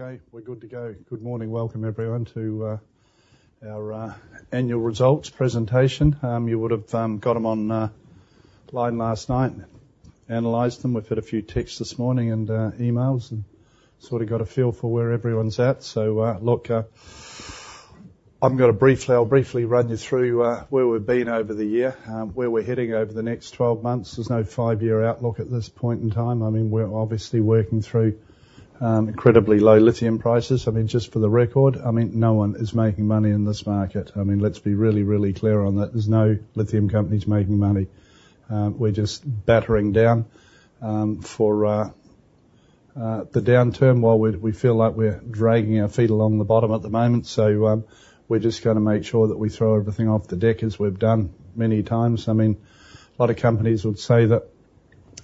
Okay, we're good to go. Good morning. Welcome, everyone, to our annual results presentation. You would've got them on the line last night and analyzed them. We've had a few texts this morning and emails, and sort of got a feel for where everyone's at. So, look, I'm gonna briefly. I'll briefly run you through where we've been over the year, where we're heading over the next twelve months. There's no five-year outlook at this point in time. I mean, we're obviously working through incredibly low lithium prices. I mean, just for the record, I mean, no one is making money in this market. I mean, let's be really, really clear on that. There's no lithium companies making money. We're just battering down for the downturn, while we feel like we're dragging our feet along the bottom at the moment. So, we're just gonna make sure that we throw everything off the deck, as we've done many times. I mean, a lot of companies would say that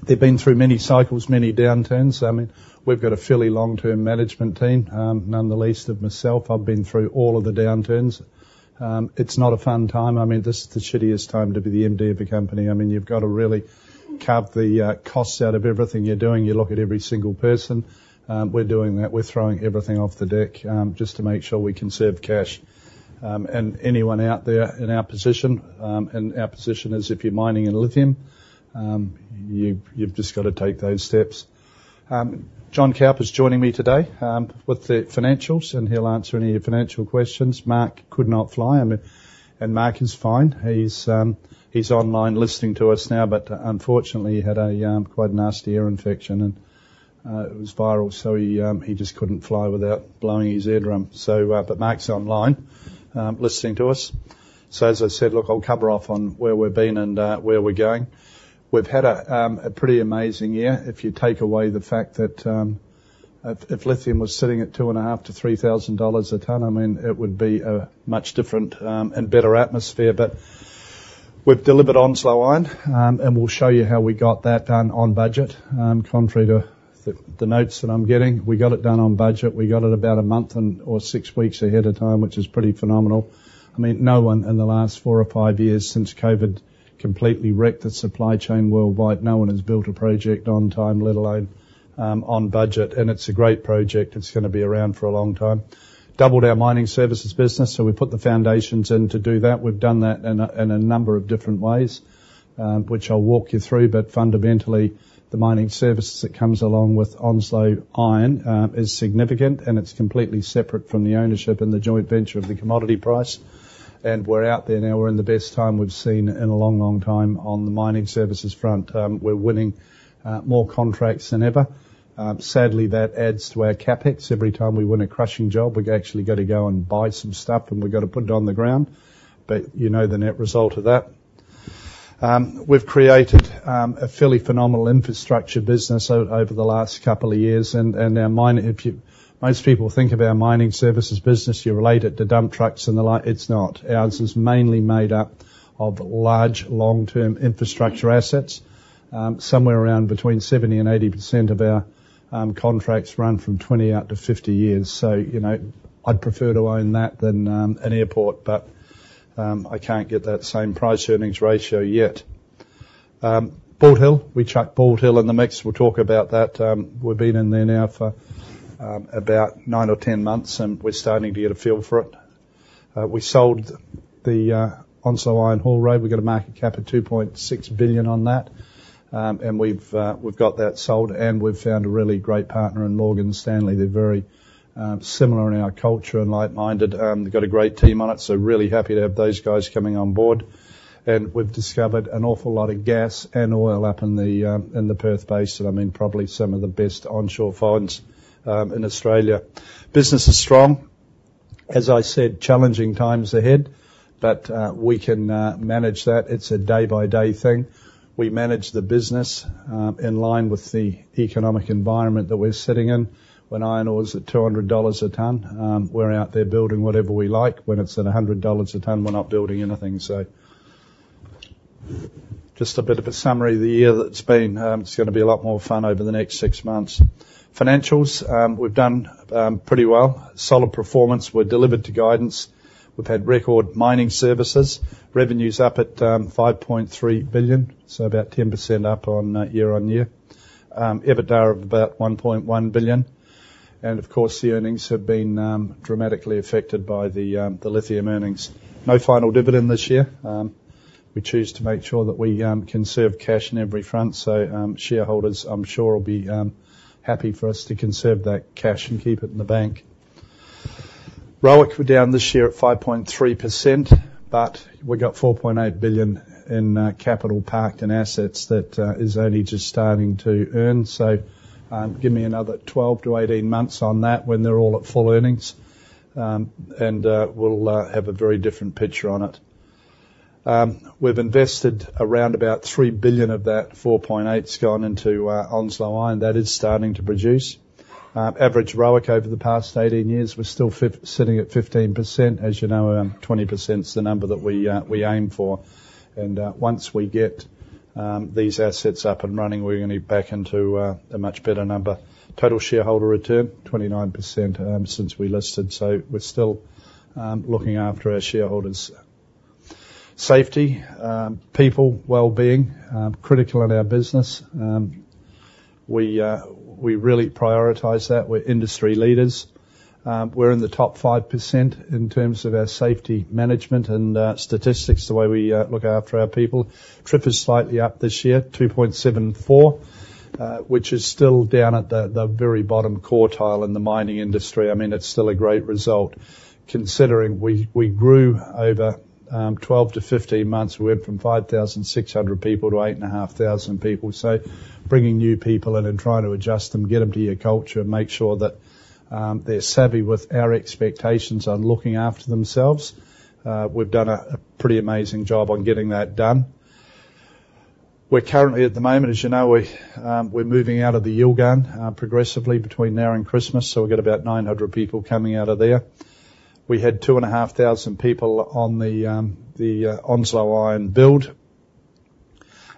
they've been through many cycles, many downturns. I mean, we've got a fairly long-term management team, none the least of myself. I've been through all of the downturns. It's not a fun time. I mean, this is the shittiest time to be the MD of a company. I mean, you've got to really carve the costs out of everything you're doing. You look at every single person. We're doing that. We're throwing everything off the deck, just to make sure we conserve cash. Anyone out there in our position, and our position is, if you're mining in lithium, you've just got to take those steps. John Kaup is joining me today with the financials, and he'll answer any of your financial questions. Mark could not fly, I mean. And Mark is fine. He's online listening to us now, but unfortunately, he had a quite nasty ear infection, and it was viral, so he just couldn't fly without blowing his eardrum. So, but Mark's online, listening to us. So as I said, look, I'll cover off on where we've been and where we're going. We've had a pretty amazing year. If you take away the fact that if lithium was sitting at $2,500-$3,000 a ton, I mean, it would be a much different and better atmosphere. But we've delivered on Onslow Iron, and we'll show you how we got that done on budget. Contrary to the notes that I'm getting, we got it done on budget. We got it about a month and/or six weeks ahead of time, which is pretty phenomenal. I mean, no one in the last four or five years, since COVID completely wrecked the supply chain worldwide, no one has built a project on time, let alone on budget. It's a great project. It's gonna be around for a long time. Doubled our mining services business, so we put the foundations in to do that. We've done that in a number of different ways, which I'll walk you through. But fundamentally, the mining services that comes along with Onslow Iron is significant, and it's completely separate from the ownership and the joint venture of the commodity price, and we're out there now. We're in the best time we've seen in a long, long time on the mining services front. We're winning more contracts than ever. Sadly, that adds to our CapEx. Every time we win a crushing job, we've actually got to go and buy some stuff, and we've got to put it on the ground, but you know the net result of that. We've created a fairly phenomenal infrastructure business over the last couple of years. Most people think of our mining services business, you relate it to dump trucks and the like. It's not. Ours is mainly made up of large, long-term infrastructure assets. Somewhere around between 70%-80% of our contracts run from 20 out to 50 years. So, you know, I'd prefer to own that than an airport, but I can't get that same price-earnings ratio yet. Bald Hill. We tracked Bald Hill in the mix. We'll talk about that. We've been in there now for about 9 or 10 months, and we're starting to get a feel for it. We sold the Onslow Iron Haul Road. We got a market cap of 2.6 billion on that. And we've got that sold, and we've found a really great partner in Morgan Stanley. They're very similar in our culture and like-minded. They've got a great team on it, so really happy to have those guys coming on board. And we've discovered an awful lot of gas and oil up in the Perth Basin. I mean, probably some of the best onshore finds in Australia. Business is strong. As I said, challenging times ahead, but we can manage that. It's a day-by-day thing. We manage the business in line with the economic environment that we're sitting in. When iron ore is at $200 a ton, we're out there building whatever we like. When it's at $100 a ton, we're not building anything. Just a bit of a summary of the year that's been. It's gonna be a lot more fun over the next six months. Financials. We've done pretty well. Solid performance. We're delivered to guidance. We've had record mining services. Revenues up at 5.3 billion, so about 10% up on year-on-year. EBITDA of about 1.1 billion. And of course, the earnings have been dramatically affected by the lithium earnings. No final dividend this year. We choose to make sure that we conserve cash on every front. So, shareholders, I'm sure, will be happy for us to conserve that cash and keep it in the bank. ROIC, we're down this year at 5.3%, but we got 4.8 billion in capital parked in assets that is only just starting to earn. So, give me another 12 to 18 months on that when they're all at full earnings. And we'll have a very different picture on it. We've invested around about 3 billion of that. AUD 4.8's gone into Onslow Iron. That is starting to produce. Average ROIC over the past 18 years, we're still sitting at 15%. As you know, 20% is the number that we aim for. And once we get these assets up and running, we're gonna be back into a much better number. Total shareholder return, 29%, since we listed, so we're still looking after our shareholders. Safety, people, wellbeing, critical in our business. We really prioritize that. We're industry leaders. We're in the top 5% in terms of our safety management and statistics, the way we look after our people. TRIF is slightly up this year, 2.74, which is still down at the very bottom quartile in the mining industry. I mean, it's still a great result, considering we grew over 12-15 months. We went from 5,600 people to 8,500 people. So bringing new people in and trying to adjust them, get them to your culture, make sure that they're savvy with our expectations on looking after themselves. We've done a pretty amazing job on getting that done. We're currently at the moment, as you know, we're moving out of the Yilgarn progressively between now and Christmas, so we've got about nine hundred people coming out of there. We had two and a half thousand people on the Onslow Iron build,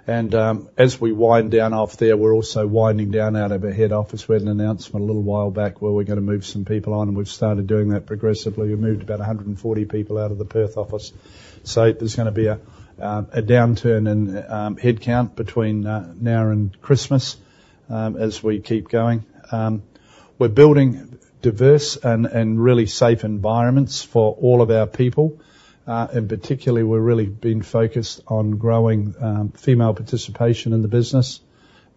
as we wind down off there, we're also winding down out of a head office. We had an announcement a little while back, where we're gonna move some people on, and we've started doing that progressively. We moved about a hundred and forty people out of the Perth office. So there's gonna be a downturn in head count between now and Christmas, as we keep going. We're building diverse and really safe environments for all of our people. And particularly, we're really being focused on growing female participation in the business.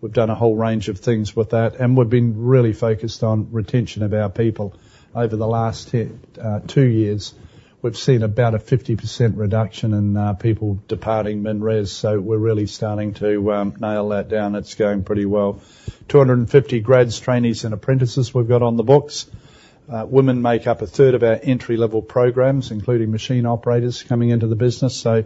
We've done a whole range of things with that, and we've been really focused on retention of our people. Over the last ten, two years, we've seen about a 50% reduction in people departing MinRes, so we're really starting to nail that down. It's going pretty well. 250 grads, trainees, and apprentices we've got on the books. Women make up a third of our entry-level programs, including machine operators coming into the business. So,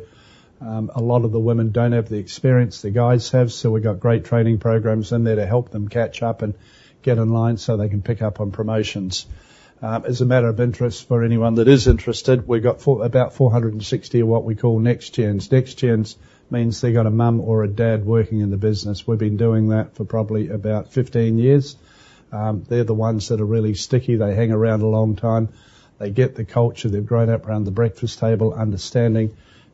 a lot of the women don't have the experience the guys have, so we've got great training programs in there to help them catch up and get in line so they can pick up on promotions. As a matter of interest, for anyone that is interested, we've got about 460 of what we call Next Gens. Next Gens means they've got a mum or a dad working in the business. We've been doing that for probably about 15 years. They're the ones that are really sticky. They hang around a long time. They get the culture. They've grown up around the breakfast table, understanding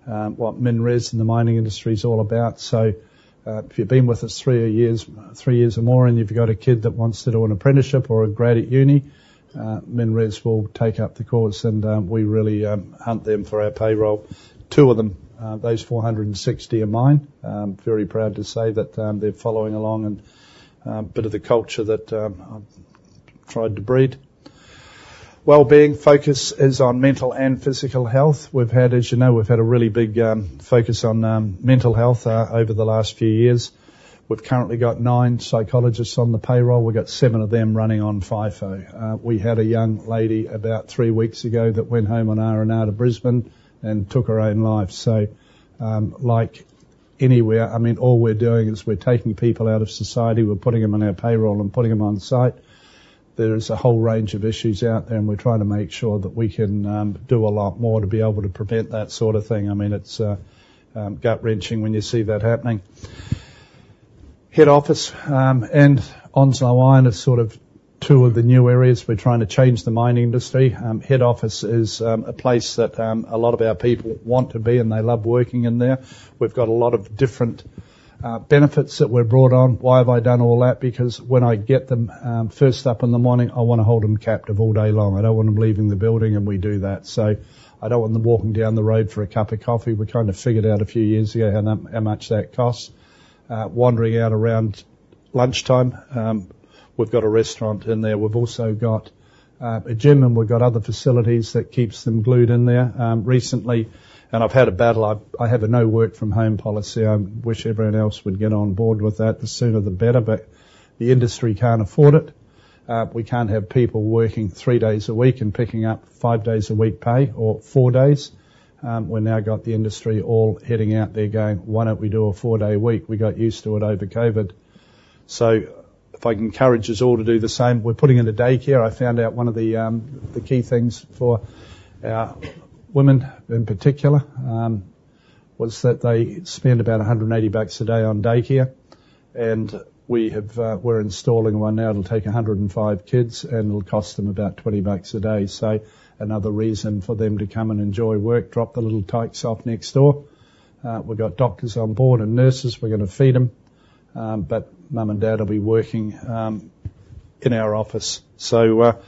what MinRes and the mining industry is all about. So, if you've been with us three years or more, and if you've got a kid that wants to do an apprenticeship or a grad at uni, MinRes will take up the cause, and we really hunt them for our payroll. Two of them, those 460 are mine. I'm very proud to say that they're following along, and a bit of the culture that I've tried to breed. Well-being focus is on mental and physical health. We've had, as you know, we've had a really big focus on mental health over the last few years. We've currently got nine psychologists on the payroll. We've got seven of them running on FIFO. We had a young lady about three weeks ago that went home on R&R to Brisbane and took her own life. So, like anywhere, I mean, all we're doing is we're taking people out of society, we're putting them on our payroll and putting them on site. There's a whole range of issues out there, and we're trying to make sure that we can do a lot more to be able to prevent that sort of thing. I mean, it's gut-wrenching when you see that happening. Head Office and Onslow Iron is sort of two of the new areas we're trying to change the mining industry. Head Office is a place that a lot of our people want to be, and they love working in there. We've got a lot of different benefits that were brought on. Why have I done all that? Because when I get them first up in the morning, I want to hold them captive all day long. I don't want them leaving the building, and we do that. So I don't want them walking down the road for a cup of coffee. We kind of figured out a few years ago how much that costs. Wandering out around lunchtime, we've got a restaurant in there. We've also got a gym, and we've got other facilities that keeps them glued in there. Recently, and I've had a battle. I have a no work from home policy. I wish everyone else would get on board with that, the sooner, the better, but the industry can't afford it. We can't have people working three days a week and picking up five days a week pay or four days. We've now got the industry all heading out there going, "Why don't we do a four-day week? We got used to it over COVID." So if I can encourage us all to do the same, we're putting in a daycare. I found out one of the, the key things for our women in particular, was that they spend about 180 bucks a day on daycare, and we have, we're installing one now. It'll take 105 kids, and it'll cost them about 20 bucks a day. So another reason for them to come and enjoy work, drop the little tykes off next door. We've got doctors on board and nurses. We're gonna feed them, but mom and dad will be working, in our office. So,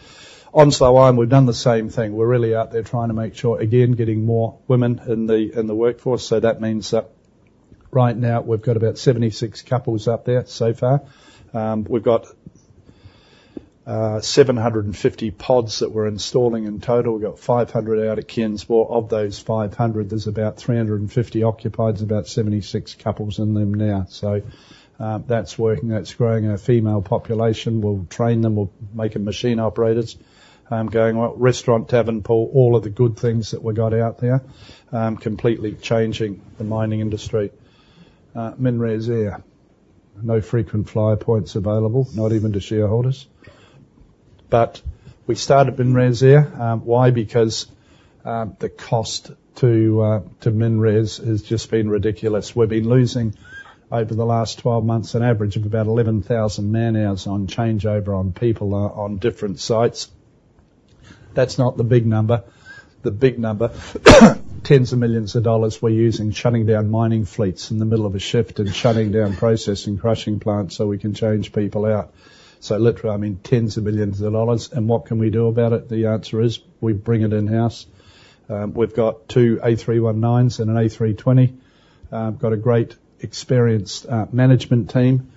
Onslow Iron, we've done the same thing. We're really out there trying to make sure, again, getting more women in the, in the workforce. So that means that right now, we've got about 76 couples out there so far. We've got, 750 pods that we're installing in total. We've got 500 out at Ken's Bore. Well, of those 500, there's about 350 occupied, about 76 couples in them now. So, that's working. That's growing our female population. We'll train them. We'll make them machine operators, going out, restaurant, tavern, pool, all of the good things that we got out there, completely changing the mining industry. MinRes Air, no frequent flyer points available, not even to shareholders. But we started MinRes Air. Why? Because, the cost to, to MinRes has just been ridiculous. We've been losing, over the last 12 months, an average of about 11,000 man-hours on changeover on people on different sites. That's not the big number. The big number, tens of millions of dollars we're using, shutting down mining fleets in the middle of a shift and shutting down processing, crushing plants, so we can change people out. Literally, I mean, tens of millions of dollars. What can we do about it? The answer is we bring it in-house. We've got two A319s and an A320. We've got a great, experienced, management team.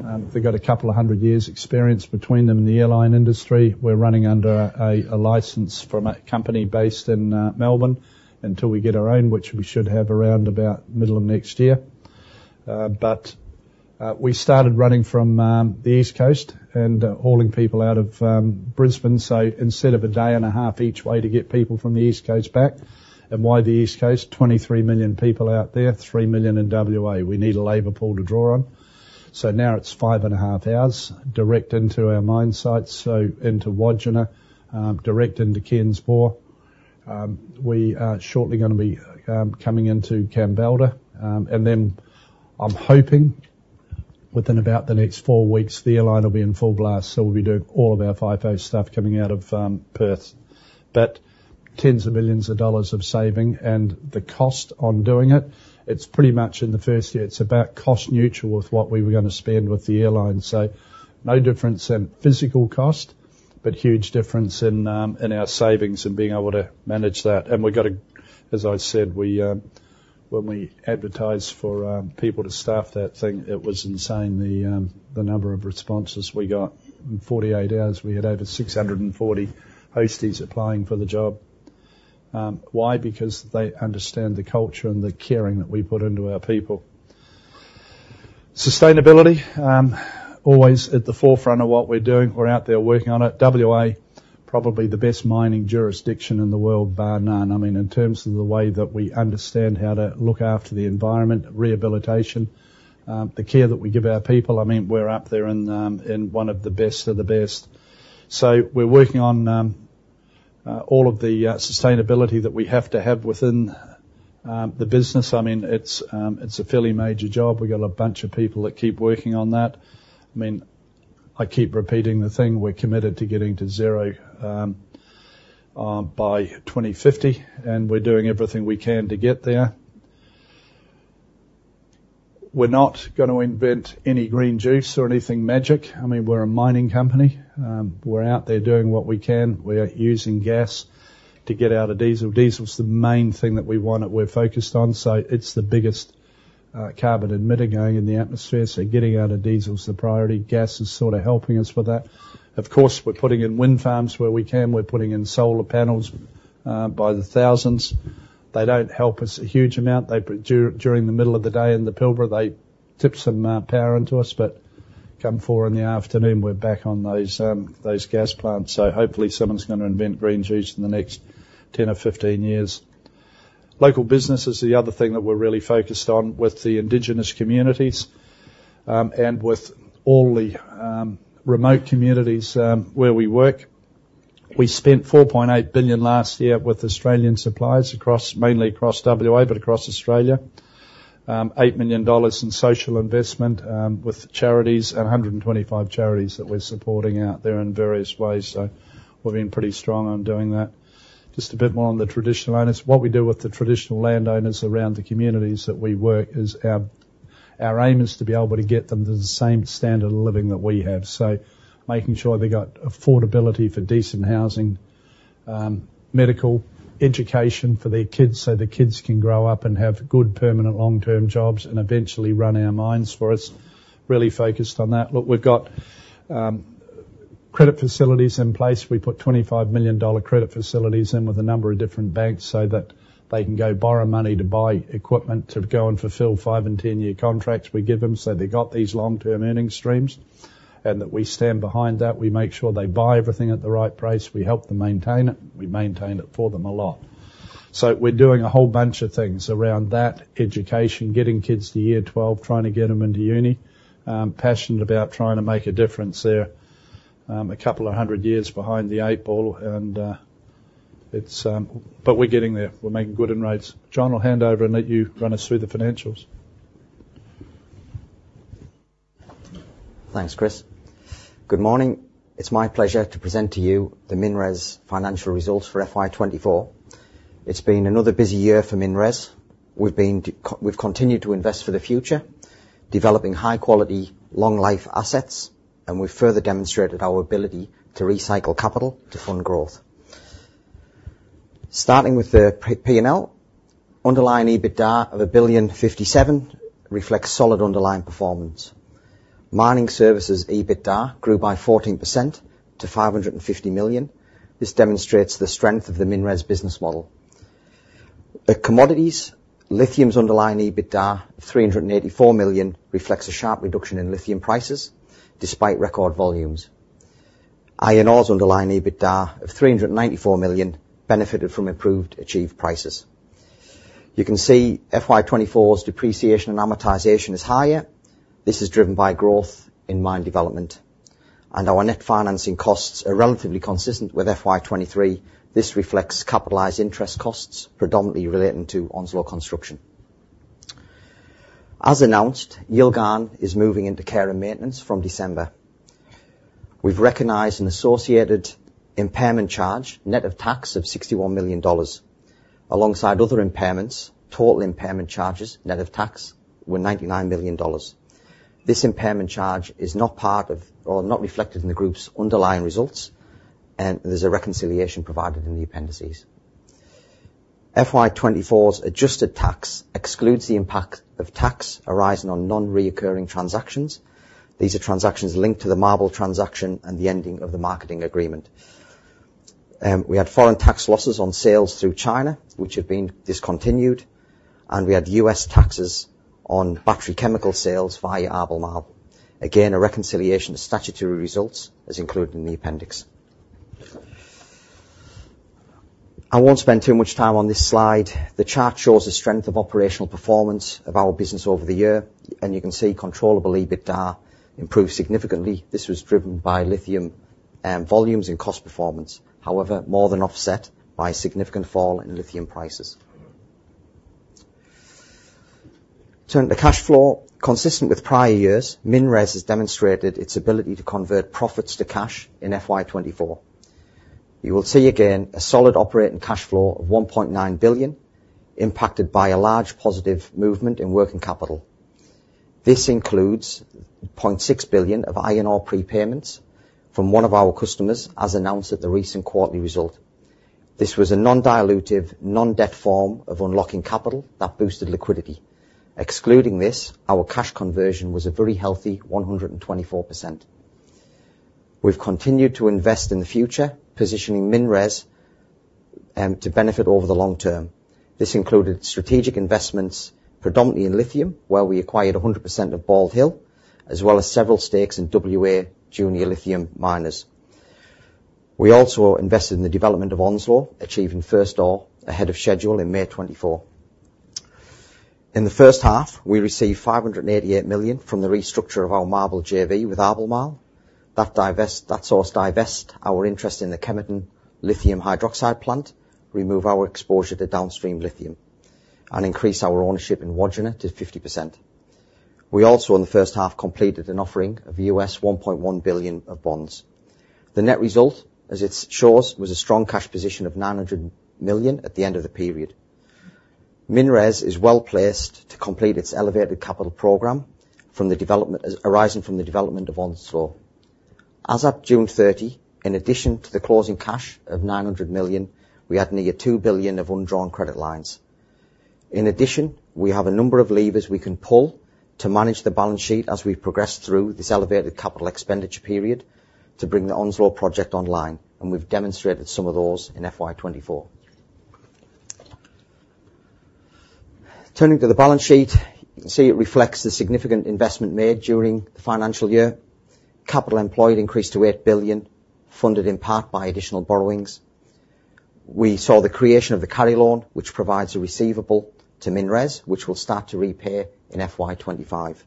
They've got a couple of hundred years experience between them in the airline industry. We're running under a license from a company based in Melbourne, until we get our own, which we should have around about middle of next year. We started running from the East Coast and hauling people out of Brisbane. So instead of a day and a half each way to get people from the East Coast back. And why the East Coast? 23 million people out there, 3 million in WA. We need a labor pool to draw on. So now it's five and a half hours direct into our mine sites, so into Wodgina, direct into Ken's Bore. We are shortly gonna be coming into Kambalda. And then I'm hoping within about the next four weeks, the airline will be in full blast, so we'll be doing all of our FIFO stuff coming out of Perth. But tens of millions AUD of saving and the cost on doing it, it's pretty much in the first year, it's about cost neutral with what we were gonna spend with the airline. So no difference in physical cost, but huge difference in our savings and being able to manage that. And we've got, as I said, when we advertised for people to staff that thing, it was insane the number of responses we got. In 48 hours, we had over 640 hosties applying for the job. Why? Because they understand the culture and the caring that we put into our people. Sustainability, always at the forefront of what we're doing. We're out there working on it. WA, probably the best mining jurisdiction in the world, bar none. I mean, in terms of the way that we understand how to look after the environment, rehabilitation, the care that we give our people, I mean, we're up there in one of the best of the best. So we're working on all of the sustainability that we have to have within the business. I mean, it's a fairly major job. We got a bunch of people that keep working on that. I mean, I keep repeating the thing: we're committed to getting to zero by 2050, and we're doing everything we can to get there. We're not gonna invent any green juice or anything magic. I mean, we're a mining company. We're out there doing what we can. We're using gas to get out of diesel. Diesel is the main thing that we want, that we're focused on, so it's the biggest carbon emitter going in the atmosphere, so getting out of diesel is the priority. Gas is sort of helping us with that. Of course, we're putting in wind farms where we can. We're putting in solar panels by the thousands. They don't help us a huge amount. During the middle of the day in the Pilbara, they tip some power into us, but come four in the afternoon, we're back on those gas plants. So hopefully, someone's gonna invent green juice in the next 10 or 15 years. Local business is the other thing that we're really focused on with the indigenous communities, and with all the remote communities where we work. We spent 4.8 billion last year with Australian suppliers mainly across WA, but across Australia. 8 million dollars in social investment with charities and 125 charities that we're supporting out there in various ways. So we've been pretty strong on doing that. Just a bit more on the Traditional Owners. What we do with the Traditional Land Owners around the communities that we work is our aim is to be able to get them to the same standard of living that we have. So making sure they got affordability for decent housing, medical, education for their kids, so the kids can grow up and have good, permanent, long-term jobs and eventually run our mines for us. Really focused on that. Look, we've got credit facilities in place. We put 25 million dollar credit facilities in with a number of different banks so that they can go borrow money to buy equipment, to go and fulfill five and ten-year contracts we give them. So they've got these long-term earning streams, and that we stand behind that. We make sure they buy everything at the right price. We help them maintain it. We maintain it for them a lot. So we're doing a whole bunch of things around that. Education, getting kids to year twelve, trying to get them into uni. Passionate about trying to make a difference there. A couple of hundred years behind the eight ball and, it's... But we're getting there. We're making good inroads. John, I'll hand over and let you run us through the financials. Thanks, Chris. Good morning. It's my pleasure to present to you the MinRes financial results for FY 2024. It's been another busy year for MinRes. We've continued to invest for the future, developing high quality, long life assets, and we've further demonstrated our ability to recycle capital to fund growth. Starting with the P&L, underlying EBITDA of 1.057 billion reflects solid underlying performance. Mining services EBITDA grew by 14% to 550 million. This demonstrates the strength of the MinRes business model. The commodities, lithium's underlying EBITDA, 384 million, reflects a sharp reduction in lithium prices despite record volumes. Iron ore's underlying EBITDA of 394 million benefited from improved achieved prices. You can see FY 2024's depreciation and amortization is higher. This is driven by growth in mine development, and our net financing costs are relatively consistent with FY 2023. This reflects capitalized interest costs, predominantly relating to Onslow construction. As announced, Yilgarn is moving into care and maintenance from December. We've recognized an associated impairment charge, net of tax, of 61 million dollars. Alongside other impairments, total impairment charges, net of tax, were 99 million dollars. This impairment charge is not part of or not reflected in the group's underlying results, and there's a reconciliation provided in the appendices. FY 2024's adjusted tax excludes the impact of tax arising on non-recurring transactions. These are transactions linked to the Marble transaction and the ending of the marketing agreement. We had foreign tax losses on sales through China, which have been discontinued, and we had U.S. taxes on battery chemical sales via Albemarle. Again, a reconciliation of statutory results is included in the appendix. I won't spend too much time on this slide. The chart shows the strength of operational performance of our business over the year, and you can see controllable EBITDA improved significantly. This was driven by lithium volumes and cost performance, however, more than offset by a significant fall in lithium prices. Turning to cash flow. Consistent with prior years, MinRes has demonstrated its ability to convert profits to cash in FY 2024. You will see, again, a solid operating cash flow of 1.9 billion, impacted by a large positive movement in working capital. This includes 0.6 billion of iron prepayments from one of our customers, as announced at the recent quarterly result. This was a non-dilutive, non-debt form of unlocking capital that boosted liquidity. Excluding this, our cash conversion was a very healthy 124%. We've continued to invest in the future, positioning MinRes to benefit over the long term. This included strategic investments, predominantly in lithium, where we acquired 100% of Bald Hill, as well as several stakes in WA junior lithium miners. We also invested in the development of Onslow, achieving first ore ahead of schedule in May 2024. In the first half, we received 588 million from the restructure of our Wodgina JV with Albemarle. That divestiture divested our interest in the Kemerton lithium hydroxide plant, remove our exposure to downstream lithium, and increase our ownership in Wodgina to 50%. We also, in the first half, completed an offering of $1.1 billion of bonds. The net result, as it shows, was a strong cash position of 900 million at the end of the period. MinRes is well-placed to complete its elevated capital program arising from the development of Onslow. As at June thirty, in addition to the closing cash of 900 million, we had nearly 2 billion of undrawn credit lines. In addition, we have a number of levers we can pull to manage the balance sheet as we progress through this elevated capital expenditure period to bring the Onslow project online, and we've demonstrated some of those in FY twenty-four. Turning to the balance sheet, you can see it reflects the significant investment made during the financial year. Capital employed increased to 8 billion, funded in part by additional borrowings. We saw the creation of the carry loan, which provides a receivable to MinRes, which we'll start to repay in FY 2025,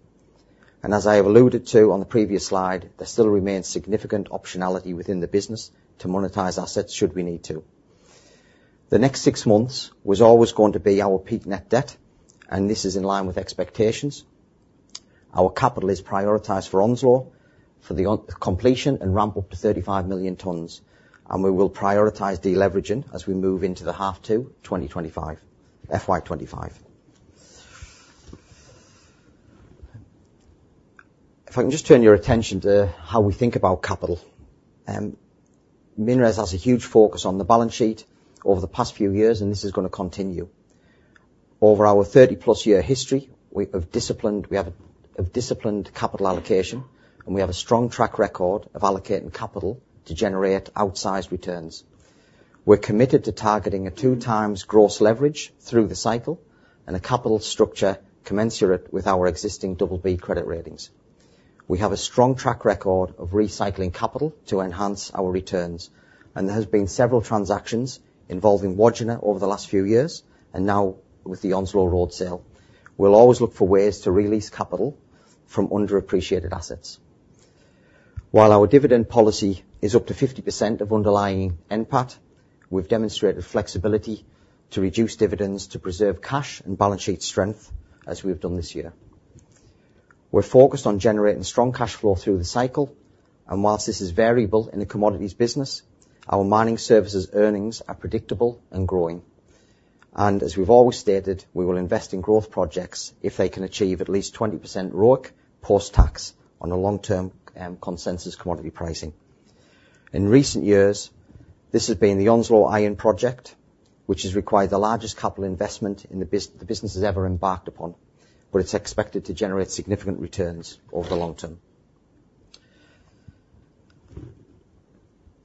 and as I have alluded to on the previous slide, there still remains significant optionality within the business to monetize assets, should we need to. The next six months was always going to be our peak net debt, and this is in line with expectations. Our capital is prioritized for Onslow, for the completion and ramp up to 35 million tons, and we will prioritize deleveraging as we move into the H2 2025, FY 2025. If I can just turn your attention to how we think about capital. MinRes has a huge focus on the balance sheet over the past few years, and this is gonna continue. Over our thirty-plus year history, we have a disciplined capital allocation, and we have a strong track record of allocating capital to generate outsized returns. We're committed to targeting a two times gross leverage through the cycle and a capital structure commensurate with our existing double B credit ratings. We have a strong track record of recycling capital to enhance our returns, and there has been several transactions involving Wodgina over the last few years, and now with the Onslow ore sale. We'll always look for ways to release capital from underappreciated assets. While our dividend policy is up to 50% of underlying NPAT, we've demonstrated flexibility to reduce dividends to preserve cash and balance sheet strength, as we've done this year. We're focused on generating strong cash flow through the cycle, and while this is variable in the commodities business, our mining services earnings are predictable and growing. And as we've always stated, we will invest in growth projects if they can achieve at least 20% ROIC post-tax on a long-term, consensus commodity pricing. In recent years, this has been the Onslow Iron Project, which has required the largest capital investment in the business has ever embarked upon, but it's expected to generate significant returns over the long term.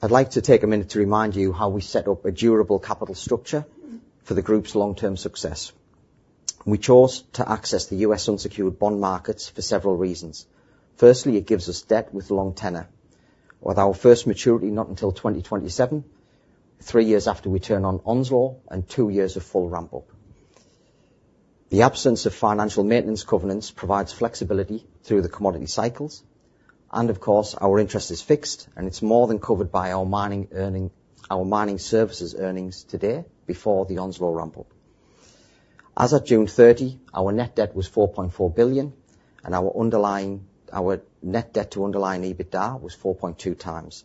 I'd like to take a minute to remind you how we set up a durable capital structure for the group's long-term success. We chose to access the U.S. unsecured bond markets for several reasons. Firstly, it gives us debt with long tenor. With our first maturity not until 2027, three years after we turn on Onslow and two years of full ramp up. The absence of financial maintenance covenants provides flexibility through the commodity cycles. And of course, our interest is fixed, and it's more than covered by our mining services earnings today before the Onslow ramp-up. As of June 30, our net debt was 4.4 billion, and our net debt to underlying EBITDA was 4.2 times.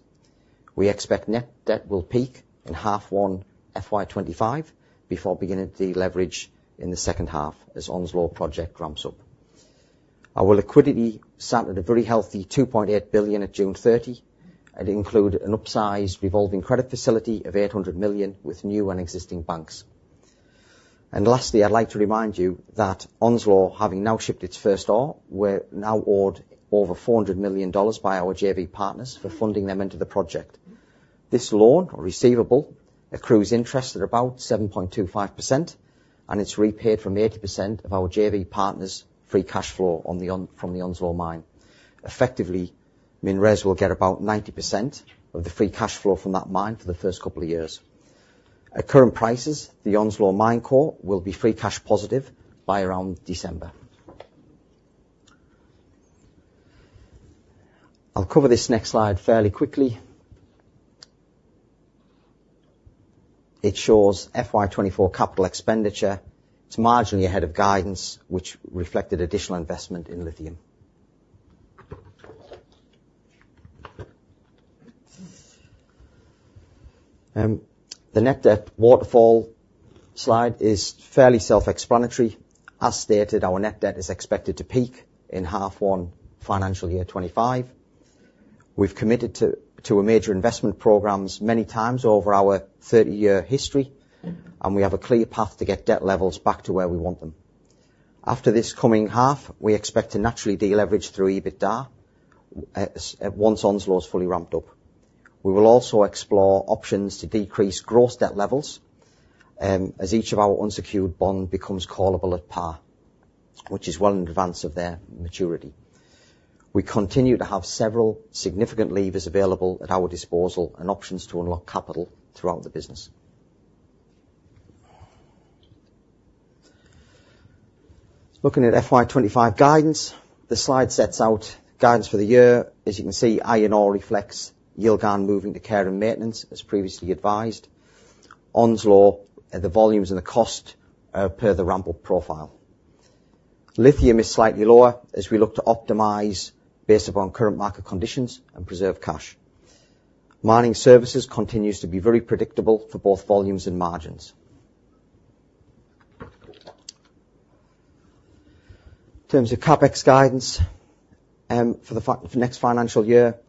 We expect net debt will peak in half one FY 2025 before beginning to deleverage in the second half as Onslow project ramps up. Our liquidity sat at a very healthy 2.8 billion at June 30, and include an upsized revolving credit facility of 800 million with new and existing banks. Lastly, I'd like to remind you that Onslow, having now shipped its first ore, we're now owed over 400 million dollars by our JV partners for funding them into the project. This loan, or receivable, accrues interest at about 7.25%, and it's repaid from 80% of our JV partners' free cash flow from the Onslow mine. Effectively, MinRes will get about 90% of the free cash flow from that mine for the first couple of years. At current prices, the Onslow mine core will be free cash positive by around December. I'll cover this next slide fairly quickly. It shows FY 2024 capital expenditure. It's marginally ahead of guidance, which reflected additional investment in lithium. The net debt waterfall slide is fairly self-explanatory. As stated, our net debt is expected to peak in half one financial year 2025. We've committed to a major investment programs many times over our thirty-year history, and we have a clear path to get debt levels back to where we want them. After this coming half, we expect to naturally deleverage through EBITDA, once Onslow's fully ramped up. We will also explore options to decrease gross debt levels, as each of our unsecured bond becomes callable at par, which is well in advance of their maturity. We continue to have several significant levers available at our disposal and options to unlock capital throughout the business. Looking at FY twenty-five guidance, this slide sets out guidance for the year. As you can see, iron ore reflects Yilgarn moving to care and maintenance, as previously advised. Onslow, at the volumes and the cost are per the ramp-up profile. Lithium is slightly lower as we look to optimize based upon current market conditions and preserve cash. Mining services continues to be very predictable for both volumes and margins. In terms of CapEx guidance, for next financial year,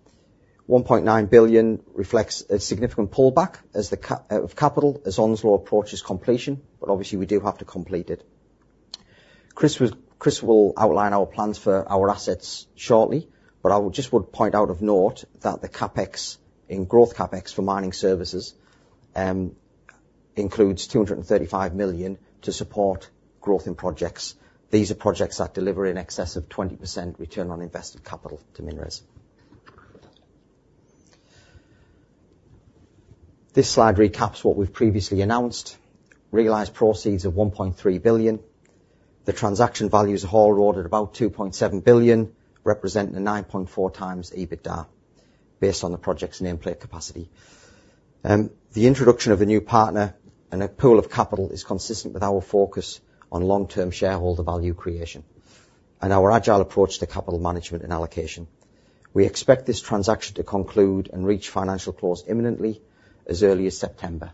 1.9 billion reflects a significant pullback as the capital as Onslow approaches completion, but obviously, we do have to complete it. Chris will outline our plans for our assets shortly, but I just would point out of note that the CapEx, in growth CapEx for mining services, includes 235 million to support growth in projects. These are projects that deliver in excess of 20% return on invested capital to MinRes. This slide recaps what we've previously announced. Realized proceeds of 1.3 billion. The transaction values are all ordered about 2.7 billion, representing a 9.4 times EBITDA, based on the project's nameplate capacity. The introduction of a new partner and a pool of capital is consistent with our focus on long-term shareholder value creation and our agile approach to capital management and allocation. We expect this transaction to conclude and reach financial close imminently as early as September.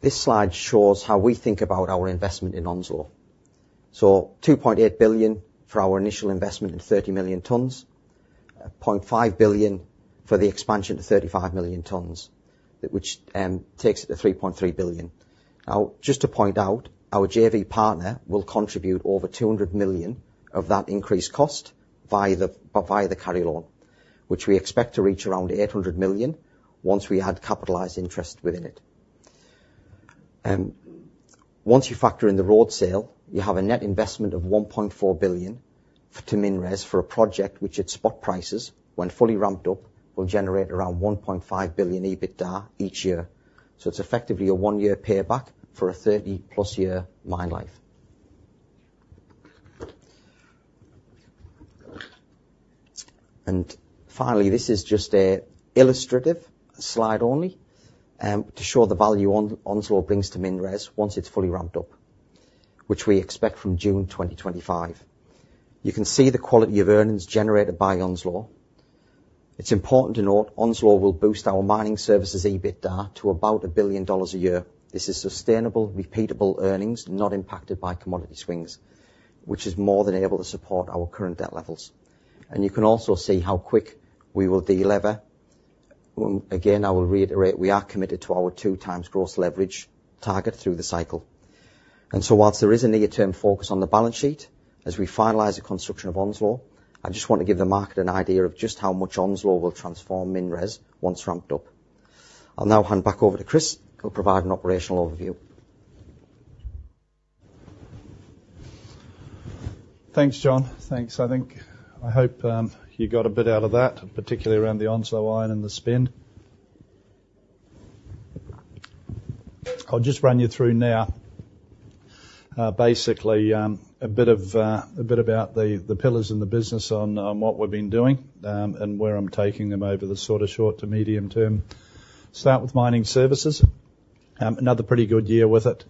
This slide shows how we think about our investment in Onslow. So 2.8 billion for our initial investment in 30 million tons, point five billion for the expansion to 35 million tons, which takes it to 3.3 billion. Now, just to point out, our JV partner will contribute over 200 million of that increased cost via the carry loan, which we expect to reach around 800 million once we had capitalized interest within it. Once you factor in the road sale, you have a net investment of 1.4 billion to MinRes for a project which, at spot prices, when fully ramped up, will generate around 1.5 billion EBITDA each year. So it's effectively a one-year payback for a thirty-plus year mine life. And finally, this is just an illustrative slide only, to show the value Onslow brings to MinRes once it's fully ramped up, which we expect from June 2025. You can see the quality of earnings generated by Onslow. It's important to note, Onslow will boost our mining services EBITDA to about 1 billion dollars a year. This is sustainable, repeatable earnings, not impacted by commodity swings, which is more than able to support our current debt levels. And you can also see how quick we will delever. Again, I will reiterate, we are committed to our two times gross leverage target through the cycle. And so whilst there is a near-term focus on the balance sheet, as we finalize the construction of Onslow, I just want to give the market an idea of just how much Onslow will transform MinRes once ramped up. I'll now hand back over to Chris, who'll provide an operational overview. Thanks, John. Thanks. I think, I hope, you got a bit out of that, particularly around the Onslow Iron and the spin. I'll just run you through now, basically, a bit about the pillars in the business on what we've been doing, and where I'm taking them over the sort of short to medium term. Start with mining services. Another pretty good year with it.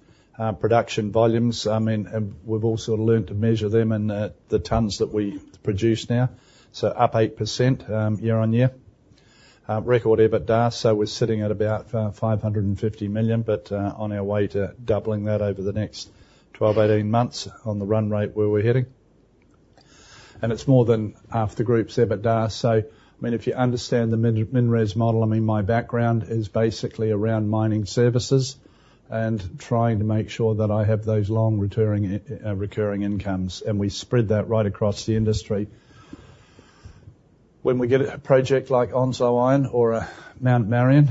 Production volumes, I mean, we've also learned to measure them in the tons that we produce now. So up 8%, year-on-year. Record EBITDA, so we're sitting at about 550 million, but on our way to doubling that over the next 12-18 months on the run rate where we're heading. And it's more than half the group's EBITDA. So, I mean, if you understand the MinRes model, I mean, my background is basically around mining services and trying to make sure that I have those long returning, recurring incomes, and we spread that right across the industry. When we get a project like Onslow Iron or a Mount Marion,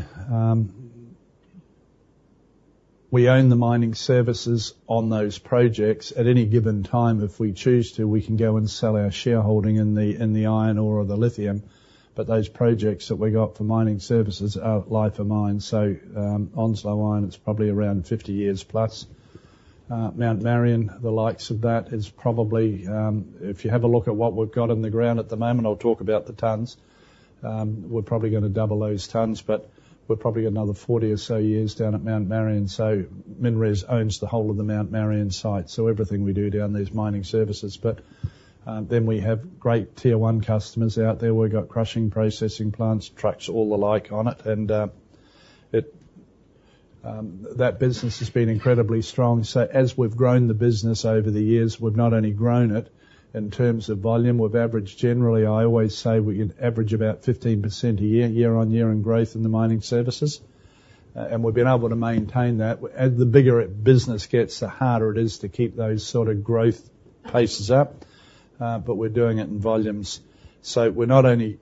we own the mining services on those projects. At any given time, if we choose to, we can go and sell our shareholding in the, in the iron ore or the lithium. But those projects that we got for mining services are life of mine. So, Onslow Iron, it's probably around 50 years plus. Mount Marion, the likes of that, is probably, if you have a look at what we've got in the ground at the moment, I'll talk about the tons. We're probably gonna double those tons, but we're probably another 40 or so years down at Mount Marion, so MinRes owns the whole of the Mount Marion site, so everything we do down there is mining services, but then we have great tier one customers out there. We've got crushing, processing plants, trucks, all the like on it, and that business has been incredibly strong, so as we've grown the business over the years, we've not only grown it in terms of volume, we've averaged generally, I always say we average about 15% a year, year-on-year in growth in the mining services, and we've been able to maintain that. As the bigger a business gets, the harder it is to keep those sort of growth paces up, but we're doing it in volumes. We're not only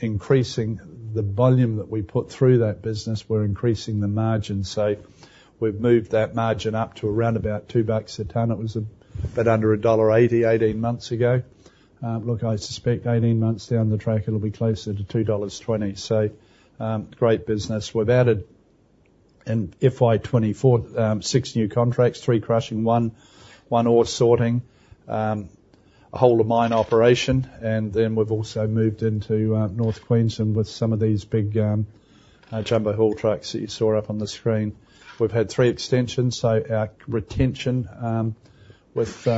increasing the volume that we put through that business, we're increasing the margin. We've moved that margin up to around about 2 bucks a ton. It was a bit under AUD 1.80 eighteen months ago. Look, I suspect eighteen months down the track, it'll be closer to 2.20 dollars. Great business. We've added in FY 2024 six new contracts, three crushing, one ore sorting, a whole of mine operation, and then we've also moved into North Queensland with some of these big jumbo haul trucks that you saw up on the screen. We've had three extensions, so our retention with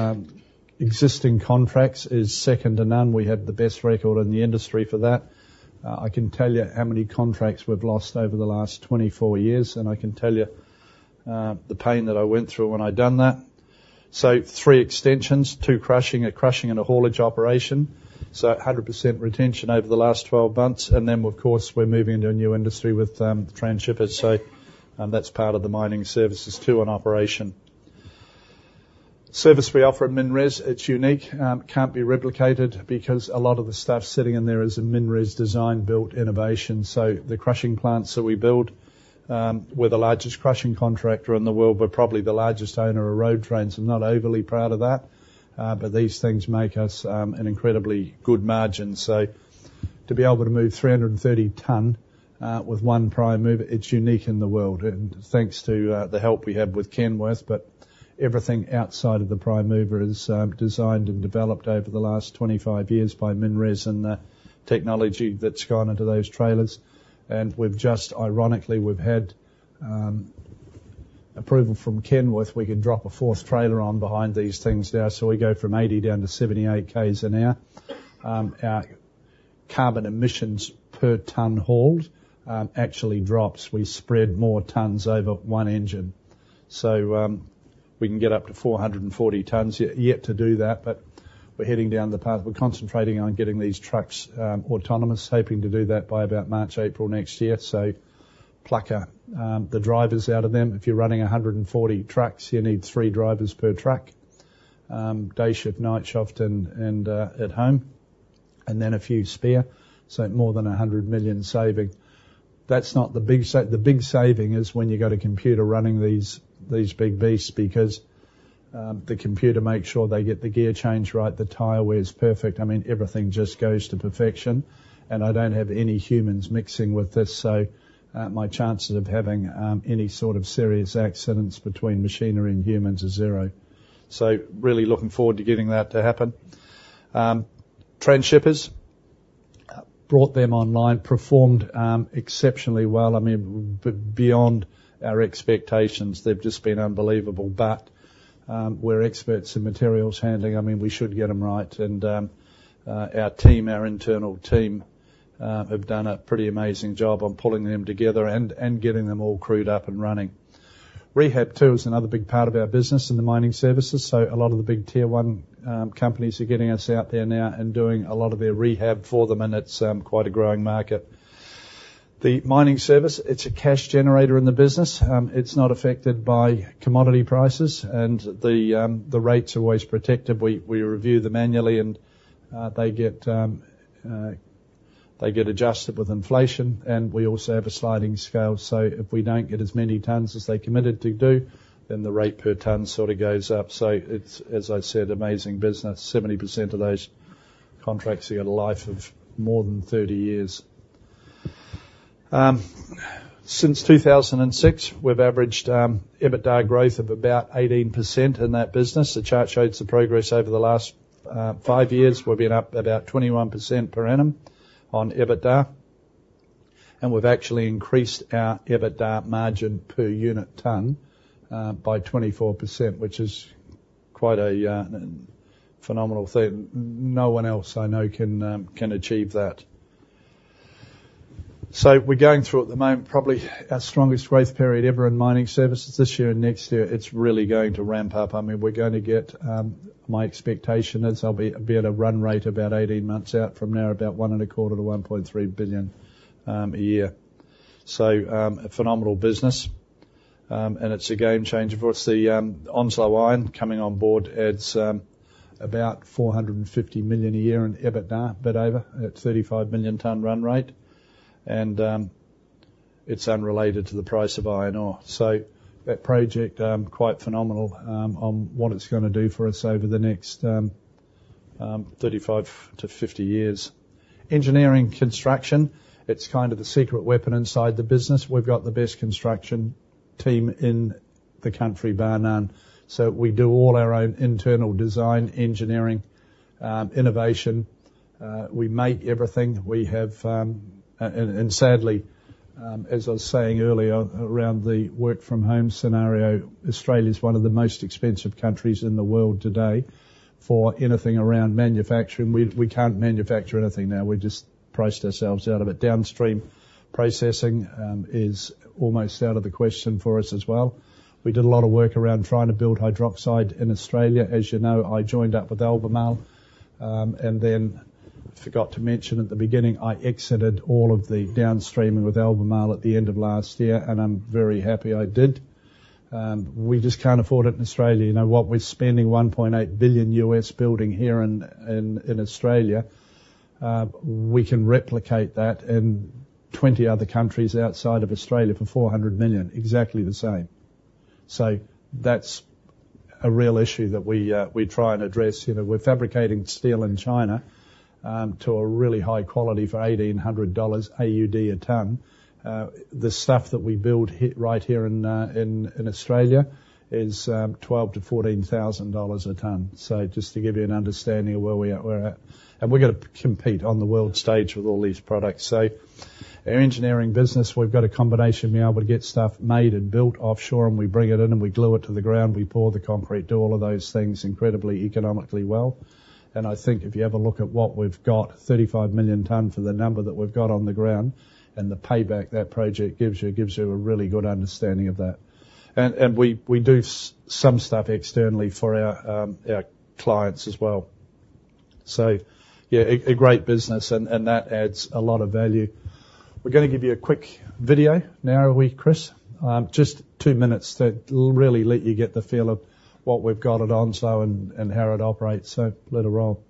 existing contracts is second to none. We have the best record in the industry for that. I can tell you how many contracts we've lost over the last twenty-four years, and I can tell you the pain that I went through when I done that. So three extensions, two crushing, a crushing and a haulage operation. So 100% retention over the last twelve months. And then, of course, we're moving into a new industry with the transshippers. So that's part of the mining services, too, an operation. Service we offer at MinRes, it's unique, can't be replicated because a lot of the stuff sitting in there is a MinRes design-built innovation. So the crushing plants that we build, we're the largest crushing contractor in the world. We're probably the largest owner of road trains. I'm not overly proud of that, but these things make us an incredibly good margin. So to be able to move three hundred and thirty ton with one Prime Mover, it's unique in the world, and thanks to the help we have with Kenworth, but everything outside of the Prime Mover is designed and developed over the last twenty-five years by MinRes and the technology that's gone into those trailers. And we've just ironically had approval from Kenworth. We can drop a fourth trailer on behind these things now, so we go from eighty down to seventy-eight Ks an hour. Our carbon emissions per ton hauled actually drops. We spread more tons over one engine. So we can get up to four hundred and forty tons, yet to do that, but we're heading down the path. We're concentrating on getting these trucks autonomous, hoping to do that by about March, April next year. So pluck the drivers out of them. If you're running 140 trucks, you need three drivers per truck, day shift, night shift, and at home, and then a few spare, so more than 100 million saving. That's not the big the big saving is when you got a computer running these big beasts, because the computer makes sure they get the gear change right, the tire wear is perfect. I mean, everything just goes to perfection, and I don't have any humans mixing with this, so my chances of having any sort of serious accidents between machinery and humans is zero. So really looking forward to getting that to happen. Transshippers brought them online, performed exceptionally well. I mean, beyond our expectations, they've just been unbelievable. But, we're experts in materials handling. I mean, we should get them right. And, our team, our internal team, have done a pretty amazing job on pulling them together and getting them all crewed up and running. Rehab, too, is another big part of our business in the mining services. So a lot of the big tier one companies are getting us out there now and doing a lot of their rehab for them, and it's quite a growing market. The mining service, it's a cash generator in the business. It's not affected by commodity prices, and the rates are always protected. We review them annually, and they get adjusted with inflation, and we also have a sliding scale. So if we don't get as many tons as they committed to do, then the rate per ton sort of goes up. So it's, as I said, amazing business. 70% of those contracts have got a life of more than thirty years. Since 2006, we've averaged EBITDA growth of about 18% in that business. The chart shows the progress over the last five years. We've been up about 21% per annum on EBITDA, and we've actually increased our EBITDA margin per unit ton by 24%, which is quite a phenomenal thing. No one else I know can achieve that. So we're going through, at the moment, probably our strongest growth period ever in mining services. This year and next year, it's really going to ramp up. I mean, we're going to get... My expectation is I'll be at a run rate about 18 months out from now, about 1.25 billion to 1.3 billion a year. So, a phenomenal business, and it's a game changer for us. The Onslow Iron coming on board adds about 450 million a year in EBITDA, bit over, at 35 million ton run rate, and it's unrelated to the price of iron ore. So that project, quite phenomenal, on what it's gonna do for us over the next 35 to 50 years. Engineering construction, it's kind of the secret weapon inside the business. We've got the best construction team in the country, bar none. So we do all our own internal design, engineering, innovation. We make everything. We have... Sadly, as I was saying earlier, around the work from home scenario, Australia is one of the most expensive countries in the world today for anything around manufacturing. We can't manufacture anything now. We've just priced ourselves out of it. Downstream processing is almost out of the question for us as well. We did a lot of work around trying to build hydroxide in Australia. As you know, I joined up with Albemarle, and then forgot to mention at the beginning, I exited all of the downstreaming with Albemarle at the end of last year, and I'm very happy I did. We just can't afford it in Australia. You know what? We're spending $1.8 billion building here in Australia. We can replicate that in 20 other countries outside of Australia for 400 million, exactly the same. So that's a real issue that we, we try and address. You know, we're fabricating steel in China to a really high quality for 1,800 AUD a ton. The stuff that we build here, right here in Australia is twelve to fourteen thousand dollars a ton. So just to give you an understanding of where we're at, and we've got to compete on the world stage with all these products. So our engineering business, we've got a combination of being able to get stuff made and built offshore, and we bring it in, and we glue it to the ground. We pour the concrete, do all of those things incredibly economically well, and I think if you have a look at what we've got, 35 million ton for the number that we've got on the ground, and the payback that project gives you, gives you a really good understanding of that. And we do some stuff externally for our clients as well. So, yeah, a great business, and that adds a lot of value. We're gonna give you a quick video now, are we, Chris? Just two minutes that will really let you get the feel of what we've got at Onslow and how it operates. So let it roll. ...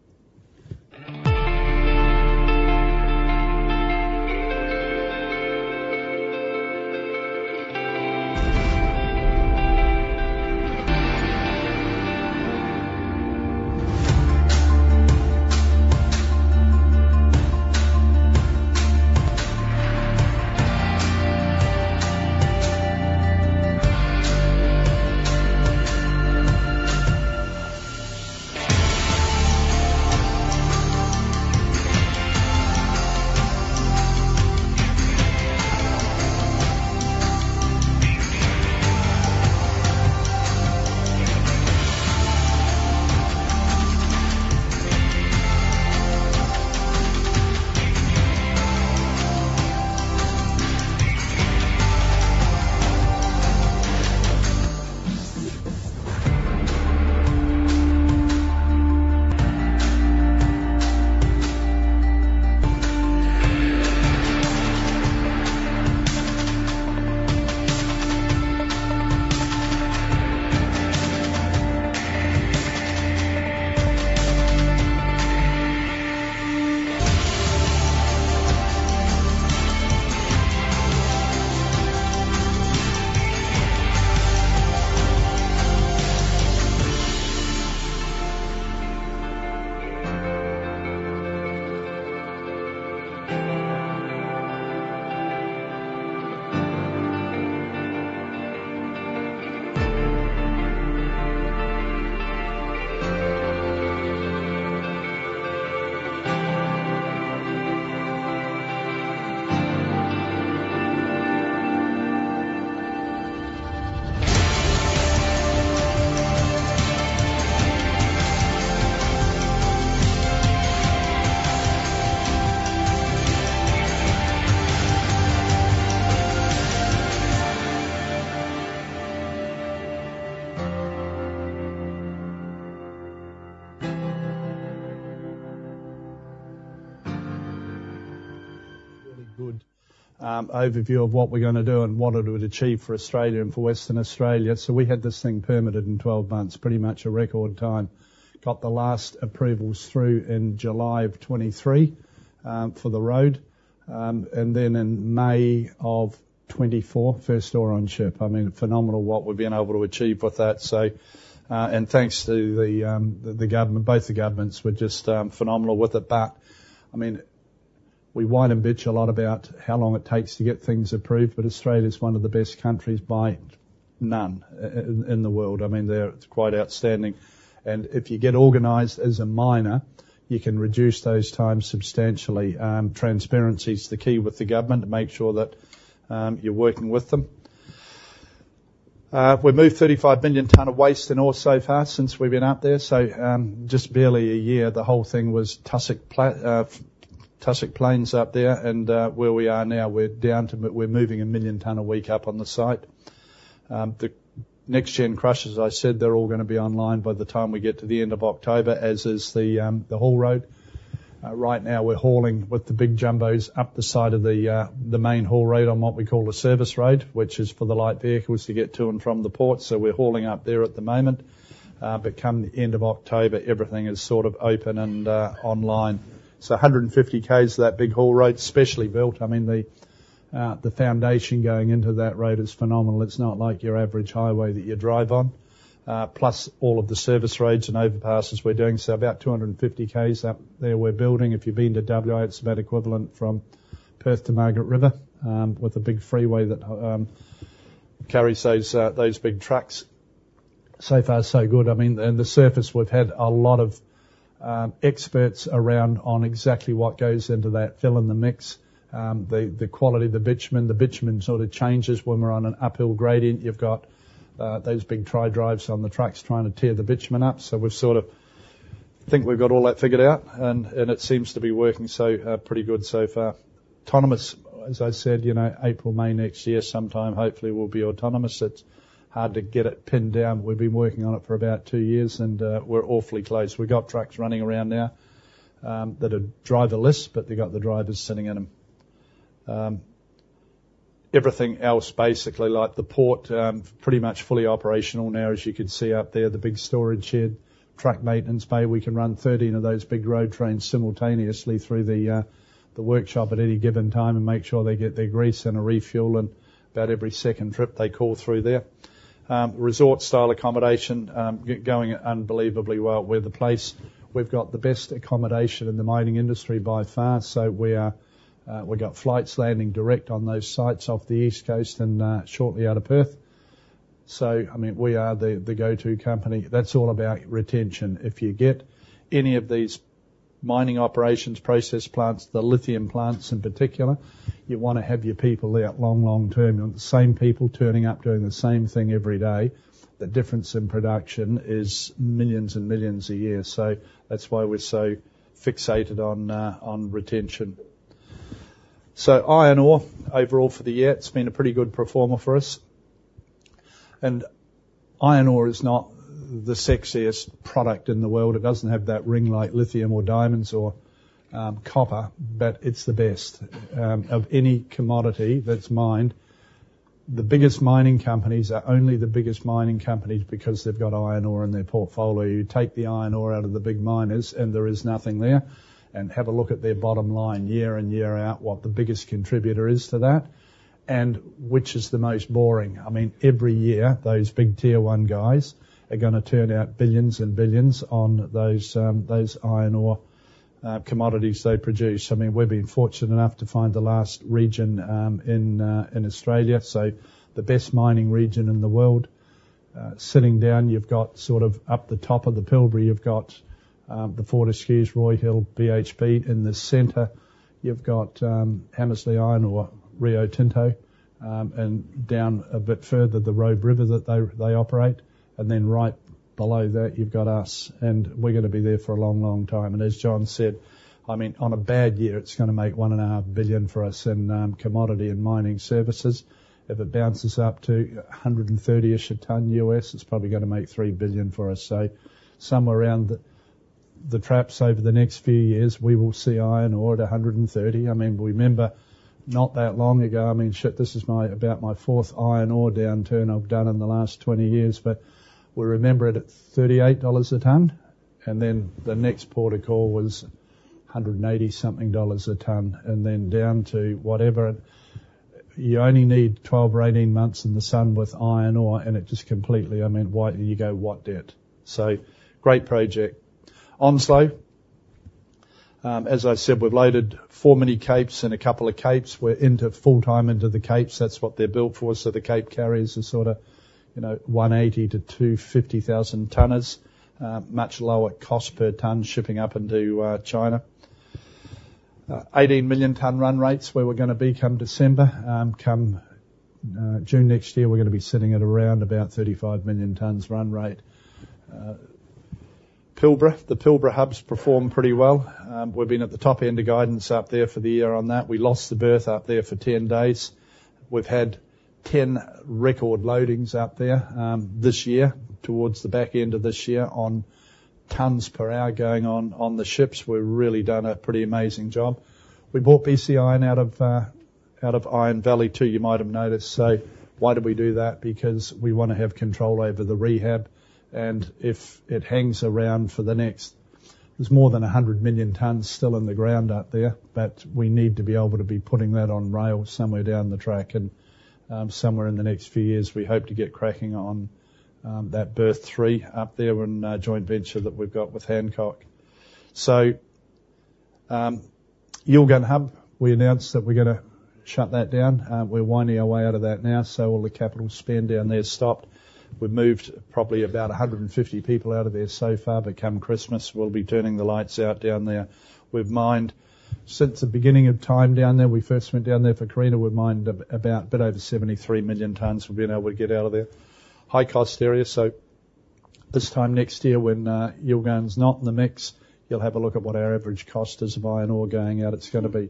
Really good overview of what we're gonna do and what it would achieve for Australia and for Western Australia. So we had this thing permitted in 12 months, pretty much a record time. Got the last approvals through in July of 2023, for the road, and then in May of 2024, first ore on ship. I mean, phenomenal what we've been able to achieve with that. So, and thanks to the, the government, both the governments were just, phenomenal with it. But, I mean, we whine and bitch a lot about how long it takes to get things approved, but Australia is one of the best countries bar none in the world. I mean, they're quite outstanding, and if you get organized as a miner, you can reduce those times substantially. Transparency is the key with the government to make sure that, you're working with them. We moved 35 million tons of waste and ore so far since we've been out there, so, just barely a year, the whole thing was tussock plains up there, and, where we are now, we're down to we're moving 1 million tons a week up on the site. The Next Gen Crushers, as I said, they're all gonna be online by the time we get to the end of October, as is the, the haul road. Right now, we're hauling with the big jumbos up the side of the, the main haul road on what we call a service road, which is for the light vehicles to get to and from the port. So we're hauling up there at the moment. But come the end of October, everything is sort of open and, online. A hundred and fifty K's, that big haul road, specially built. I mean, the foundation going into that road is phenomenal. It's not like your average highway that you drive on. Plus, all of the service roads and overpasses we're doing, so about two hundred and fifty K's up there we're building. If you've been to WA, it's about equivalent from Perth to Margaret River, with a big freeway that carries those big trucks. So far, so good. I mean, and the surface, we've had a lot of experts around on exactly what goes into that, fill in the mix. The quality of the bitumen, the bitumen sort of changes when we're on an uphill gradient. You've got those big tri drives on the tracks trying to tear the bitumen up. So we've sort of think we've got all that figured out, and it seems to be working, so pretty good so far. Autonomous, as I said, you know, April, May next year, sometime, hopefully, we'll be autonomous. It's hard to get it pinned down. We've been working on it for about two years, and we're awfully close. We've got trucks running around now that are driverless, but they've got the drivers sitting in them. Everything else, basically, like the port, pretty much fully operational now. As you can see out there, the big storage shed, truck maintenance bay. We can run 13 of those big road trains simultaneously through the workshop at any given time and make sure they get their grease and a refuel, and about every second trip, they call through there. Resort-style accommodation going unbelievably well. We're the place. We've got the best accommodation in the mining industry by far, so we are, we got flights landing direct on those sites off the East Coast and, shortly out of Perth. So I mean, we are the go-to company. That's all about retention. If you get any of these mining operations, process plants, the lithium plants in particular, you want to have your people there long, long term. You want the same people turning up, doing the same thing every day. The difference in production is millions and millions a year, so that's why we're so fixated on retention. So iron ore, overall for the year, it's been a pretty good performer for us. And iron ore is not the sexiest product in the world. It doesn't have that ring like lithium, or diamonds, or, copper, but it's the best. Of any commodity that's mined, the biggest mining companies are only the biggest mining companies because they've got iron ore in their portfolio. You take the iron ore out of the big miners, and there is nothing there. And have a look at their bottom line, year in, year out, what the biggest contributor is to that, and which is the most boring. I mean, every year, those big tier one guys are gonna turn out billions and billions on those iron ore commodities they produce. I mean, we've been fortunate enough to find the last region in Australia, so the best mining region in the world. Sitting down, you've got sort of up the top of the Pilbara, you've got the Fortescue, Roy Hill, BHP. In the center, you've got Hamersley Iron Ore, Rio Tinto, and down a bit further, the Robe River that they operate. And then right below that, you've got us, and we're gonna be there for a long, long time. And as John said, I mean, on a bad year, it's gonna make 1.5 billion for us in commodity and mining services. If it bounces up to 130-ish a ton USD, it's probably gonna make 3 billion for us. So somewhere around the traps over the next few years, we will see iron ore at 130. I mean, we remember not that long ago. I mean, shit, this is about my fourth Iron Ore downturn I've done in the last 20 years, but we remember it at $38 a ton, and then the next port of call was $180-something a ton, and then down to whatever. You only need 12 or 18 months in the sun with Iron Ore, and it just completely. I mean, why you go, "What the...?" So great project. Onslow. As I said, we've loaded 4 mini Capes and a couple of Capes. We're into full time into the Capes. That's what they're built for. So the Cape carriers are sort of, you know, 180- to 250,000 tonners, much lower cost per ton, shipping up into China. 18 million ton run rates, where we're gonna be come December. Come June next year, we're gonna be sitting at around about 35 million tons run rate. Pilbara. The Pilbara hubs perform pretty well. We've been at the top end of guidance up there for the year on that. We lost the berth up there for 10 days. We've had 10 record loadings out there this year, towards the back end of this year, on tons per hour going on the ships. We've really done a pretty amazing job. We bought BCI out of Iron Valley, too, you might have noticed. So why did we do that? Because we wanna have control over the rehab, and if it hangs around for the next... There's more than 100 million tons still in the ground out there, but we need to be able to be putting that on rail somewhere down the track. Somewhere in the next few years, we hope to get cracking on that berth three up there in a joint venture that we've got with Hancock. Yilgarn hub, we announced that we're gonna shut that down. We're winding our way out of that now, so all the capital spend down there is stopped. We've moved probably about 150 people out of there so far, but come Christmas, we'll be turning the lights out down there. We've mined since the beginning of time down there. We first went down there for Carina. We've mined about a bit over 73 million tons we've been able to get out of there. High cost area, so this time next year, when Yilgarn's not in the mix, you'll have a look at what our average cost is of iron ore going out. It's gonna be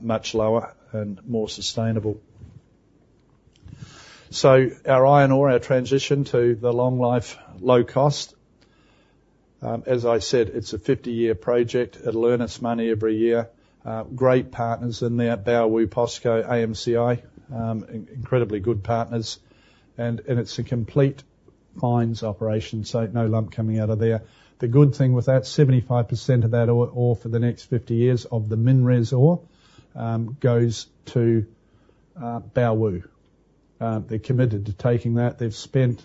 much lower and more sustainable. So our iron ore, our transition to the long life, low cost. As I said, it's a 50-year project. It'll earn us money every year. Great partners in there, Baowu, POSCO, AMCI, incredibly good partners, and it's a complete fines operation, so no lump coming out of there. The good thing with that, 75% of that ore, ore for the next 50 years of the MinRes ore, goes to Baowu. They're committed to taking that. They've spent,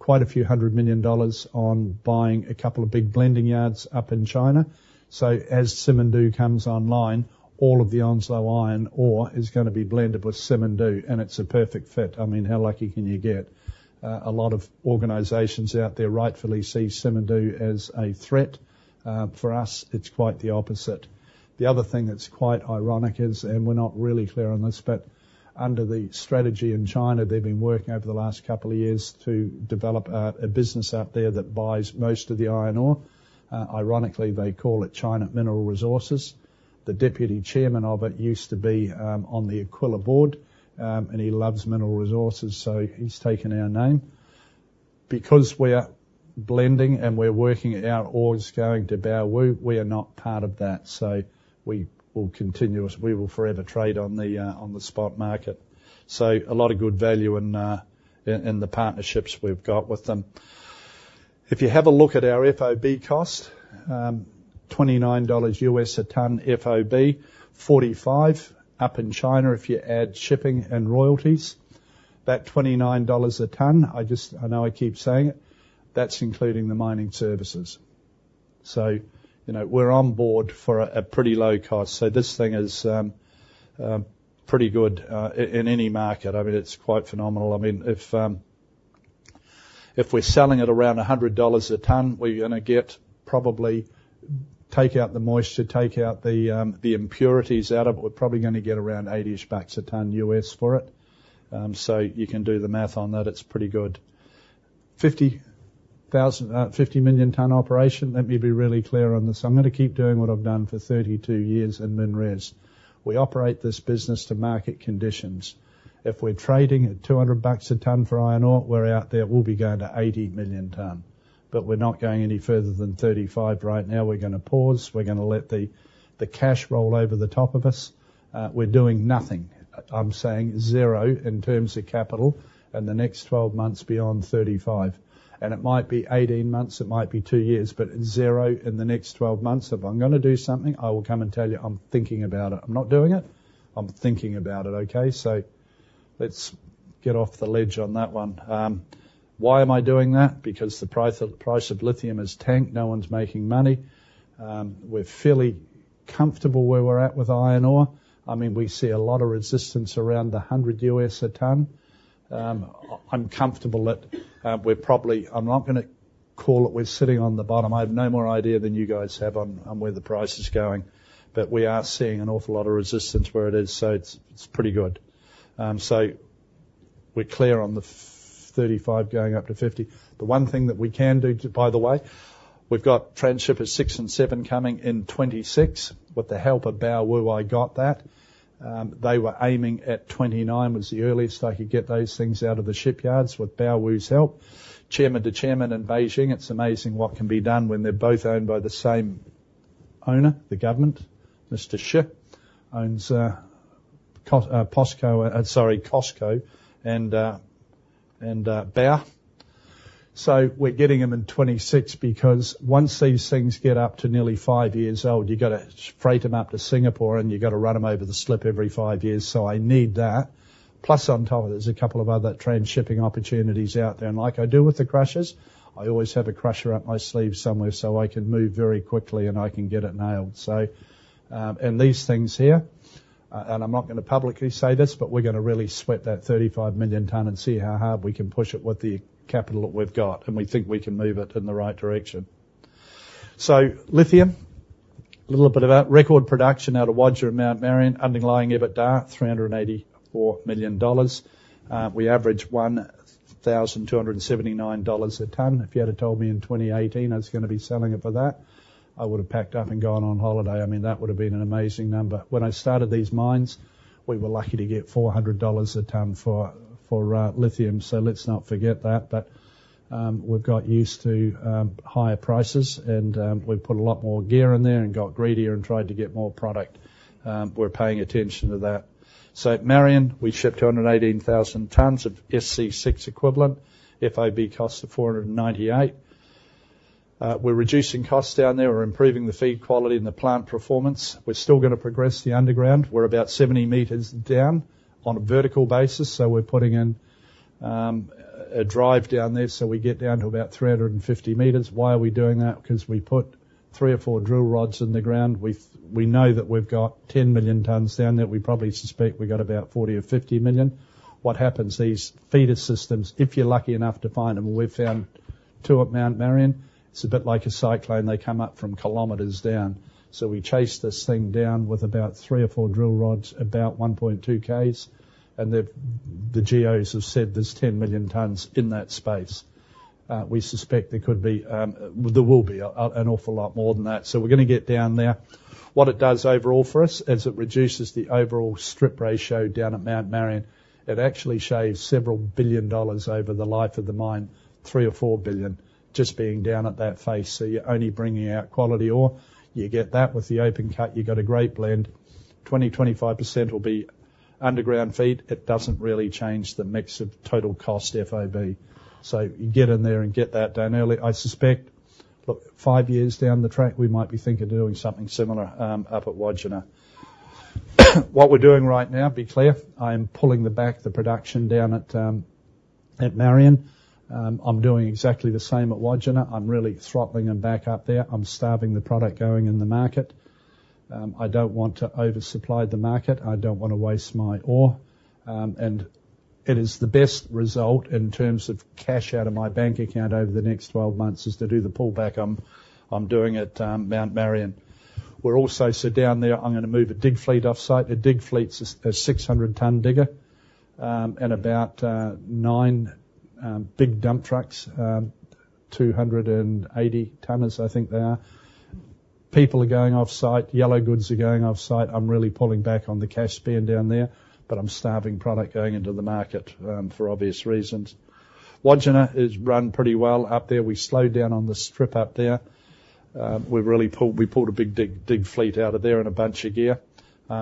it's quite a few hundred million dollars on buying a couple of big blending yards up in China. So as Simandou comes online, all of the Onslow Iron ore is gonna be blended with Simandou, and it's a perfect fit. I mean, how lucky can you get? A lot of organizations out there rightfully see Simandou as a threat. For us, it's quite the opposite. The other thing that's quite ironic is, and we're not really clear on this, but under the strategy in China, they've been working over the last couple of years to develop a business out there that buys most of the iron ore. Ironically, they call it China Mineral Resources. The deputy chairman of it used to be on the Aquila board, and he loves Mineral Resources, so he's taken our name. Because we're blending, and we're working our ores going to Baowu, we are not part of that, so we will continue as... We will forever trade on the spot market. So a lot of good value in the partnerships we've got with them. If you have a look at our FOB cost, $29 a ton, FOB. $45 up in China, if you add shipping and royalties. That $29 a ton, I know I keep saying it, that's including the mining services. So, you know, we're on board for a pretty low cost. So this thing is pretty good in any market. I mean, it's quite phenomenal. I mean, if we're selling at around $100 a ton, we're gonna get probably. Take out the moisture, take out the impurities out of it, we're probably gonna get around $80-ish a ton for it. So you can do the math on that. It's pretty good. 50 thousand, 50 million ton operation, let me be really clear on this. I'm gonna keep doing what I've done for 32 years in MinRes. We operate this business to market conditions. If we're trading at 200 bucks a ton for iron ore, we're out there, we'll be going to 80 million ton, but we're not going any further than 35 right now. We're gonna pause. We're gonna let the cash roll over the top of us. We're doing nothing. I'm saying zero in terms of capital in the next 12 months beyond 35, and it might be 18 months, it might be 2 years, but zero in the next 12 months. If I'm gonna do something, I will come and tell you I'm thinking about it. I'm not doing it. I'm thinking about it, okay? So let's get off the ledge on that one. Why am I doing that? Because the price of price of lithium has tanked. No one's making money. We're fairly comfortable where we're at with iron ore. I mean, we see a lot of resistance around $100 a ton. I'm comfortable that, we're probably. I'm not gonna call it we're sitting on the bottom. I have no more idea than you guys have on where the price is going, but we are seeing an awful lot of resistance where it is, so it's pretty good. So we're clear on the thirty-five going up to fifty. The one thing that we can do, by the way, we've got transshippers 6 and 7 coming in 2026. With the help of Baowu, I got that. They were aiming at 2029, was the earliest I could get those things out of the shipyards with Baowu's help. Chairman to chairman in Beijing, it's amazing what can be done when they're both owned by the same owner, the government. Mr. Xi owns COSCO and Bao. So we're getting them in 2026, because once these things get up to nearly five years old, you've got to freight them up to Singapore, and you've got to run them over the slip every five years, so I need that. Plus, on top of it, there's a couple of other transshipping opportunities out there, and like I do with the crushers, I always have a crusher up my sleeve somewhere, so I can move very quickly, and I can get it nailed. So, and these things here, and I'm not gonna publicly say this, but we're gonna really sweat that 35 million ton and see how hard we can push it with the capital that we've got, and we think we can move it in the right direction. So lithium, a little bit about record production out of Wodgina and Mount Marion. Underlying EBITDA, 384 million dollars. We average 1,279 dollars a ton. If you had told me in 2018, I was gonna be selling it for that, I would have packed up and gone on holiday. I mean, that would have been an amazing number. When I started these mines, we were lucky to get 400 dollars a ton for lithium, so let's not forget that. But we've got used to higher prices, and we've put a lot more gear in there and got greedier and tried to get more product. We're paying attention to that. So at Marion, we shipped 218,000 tons of SC6 equivalent, FOB cost of 498. We're reducing costs down there. We're improving the feed quality and the plant performance. We're still gonna progress the underground. We're about 70 meters down on a vertical basis, so we're putting in a drive down there, so we get down to about 350 meters. Why are we doing that? Because we put three or four drill rods in the ground. We know that we've got 10 million tons down there. We probably suspect we've got about 40 or 50 million. What happens, these feeder systems, if you're lucky enough to find them, and we've found two at Mount Marion. It's a bit like a cyclone. They come up from kilometers down, so we chase this thing down with about three or four drill rods, about 1.2 km, and the geos have said there's 10 million tons in that space. We suspect there could be an awful lot more than that, so we're gonna get down there. What it does overall for us is it reduces the overall strip ratio down at Mount Marion. It actually shaves several billion AUD over the life of the mine, three or four billion AUD, just being down at that face. So you're only bringing out quality ore. You get that with the open cut; you got a great blend. 20-25% will be underground feed. It doesn't really change the mix of total cost, FOB, so you get in there and get that done early. I suspect, look, five years down the track, we might be thinking of doing something similar up at Wodgina. What we're doing right now, to be clear, I'm pulling back the production down at Mount Marion. I'm doing exactly the same at Wodgina. I'm really throttling them back up there. I'm starving the product going in the market. I don't want to oversupply the market. I don't wanna waste my ore. And it is the best result in terms of cash out of my bank account over the next twelve months, is to do the pullback I'm doing at Mount Marion. We're also, so down there, I'm gonna move a dig fleet off-site. A dig fleet's a 600-ton digger, and about nine big dump trucks, 280-tonners, I think they are. People are going off-site, yellow goods are going off-site. I'm really pulling back on the cash spend down there, but I'm starving product going into the market, for obvious reasons. Wodgina is run pretty well. Up there, we slowed down on the strip up there. We've really pulled we pulled a big dig fleet out of there and a bunch of gear.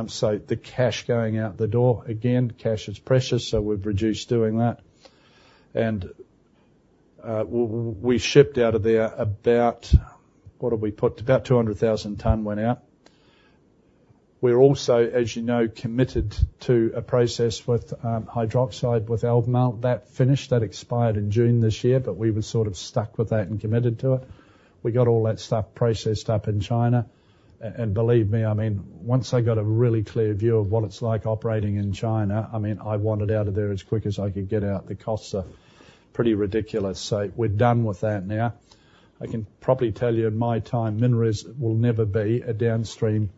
So the cash going out the door, again, cash is precious, so we've reduced doing that. And we shipped out of there about... What did we put? About 200,000 ton went out. We're also, as you know, committed to a process with hydroxide with Albemarle. That finished, that expired in June this year, but we were sort of stuck with that and committed to it. We got all that stuff processed up in China. And believe me, I mean, once I got a really clear view of what it's like operating in China, I mean, I wanted out of there as quick as I could get out. The costs are pretty ridiculous. So we're done with that now. I can probably tell you, in my time, MinRes will never be a downstream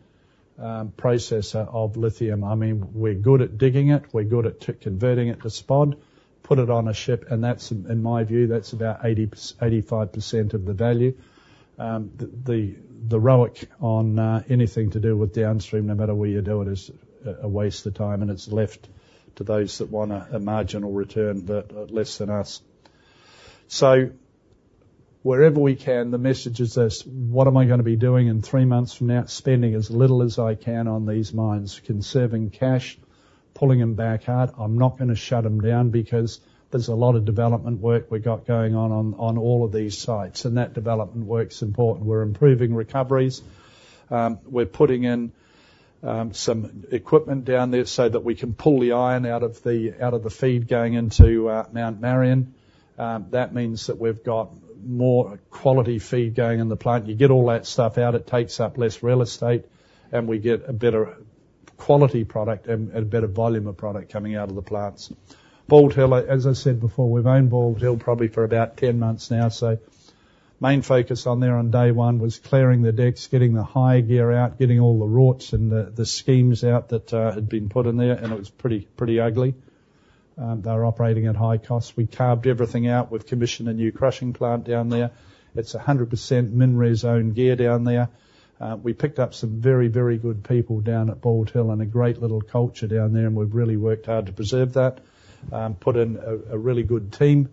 processor of lithium. I mean, we're good at digging it, we're good at converting it to spod, put it on a ship, and that's, in my view, that's about 80-85% of the value. The ROIC on anything to do with downstream, no matter where you do it, is a waste of time, and it's left to those that want a marginal return, but less than us. So wherever we can, the message is this: What am I gonna be doing in three months from now? Spending as little as I can on these mines, conserving cash, pulling them back hard. I'm not gonna shut them down because there's a lot of development work we've got going on, on all of these sites, and that development work's important. We're improving recoveries. We're putting in some equipment down there so that we can pull the iron out of the feed going into Mount Marion. That means that we've got more quality feed going in the plant. You get all that stuff out, it takes up less real estate, and we get a better quality product and a better volume of product coming out of the plants. Bald Hill, as I said before, we've owned Bald Hill probably for about 10 months now. So main focus on there on day one was clearing the decks, getting the high gear out, getting all the rorts and the schemes out that had been put in there, and it was pretty ugly. They were operating at high costs. We carved everything out. We've commissioned a new crushing plant down there. It's 100% MinRes own gear down there. We picked up some very good people down at Bald Hill and a great little culture down there, and we've really worked hard to preserve that. Put in a really good team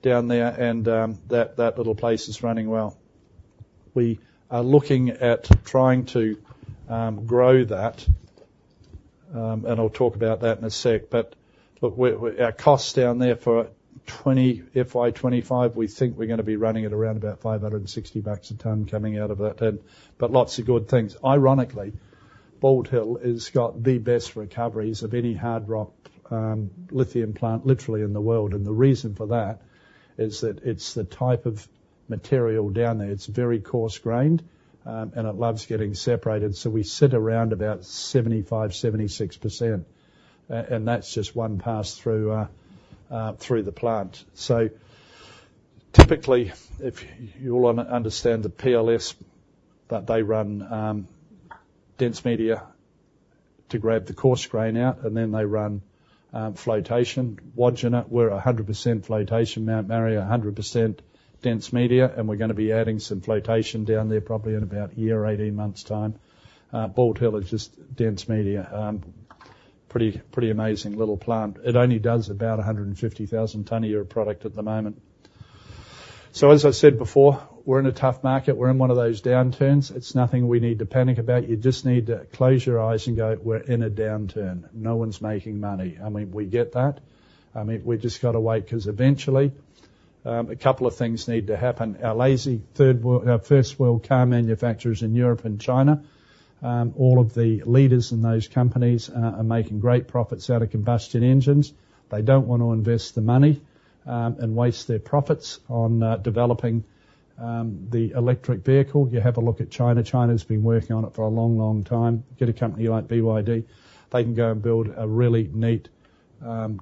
down there, and that little place is running well. We are looking at trying to grow that, and I'll talk about that in a sec. But look, our costs down there for FY twenty-five, we think we're gonna be running at around about 560 bucks a ton coming out of that then, but lots of good things. Ironically, Bald Hill has got the best recoveries of any hard rock lithium plant, literally in the world. And the reason for that is that it's the type of material down there. It's very coarse-grained, and it loves getting separated. So we sit around about 75%-76%. And that's just one pass through the plant. So typically, if you all understand the PLS, that they run dense media to grab the coarse grain out, and then they run flotation. Wodgina, we're 100% flotation. Mount Marion, 100% dense media, and we're gonna be adding some flotation down there, probably in about a year, eighteen months' time. Bald Hill is just dense media. Pretty, pretty amazing little plant. It only does about 150,000 tons a year of product at the moment. So as I said before, we're in a tough market. We're in one of those downturns. It's nothing we need to panic about. You just need to close your eyes and go, "We're in a downturn. No one's making money." I mean, we get that. I mean, we just gotta wait, 'cause eventually a couple of things need to happen. Our first-world car manufacturers in Europe and China, all of the leaders in those companies, are making great profits out of combustion engines. They don't want to invest the money and waste their profits on developing the electric vehicle. You have a look at China. China's been working on it for a long, long time. Get a company like BYD, they can go and build a really neat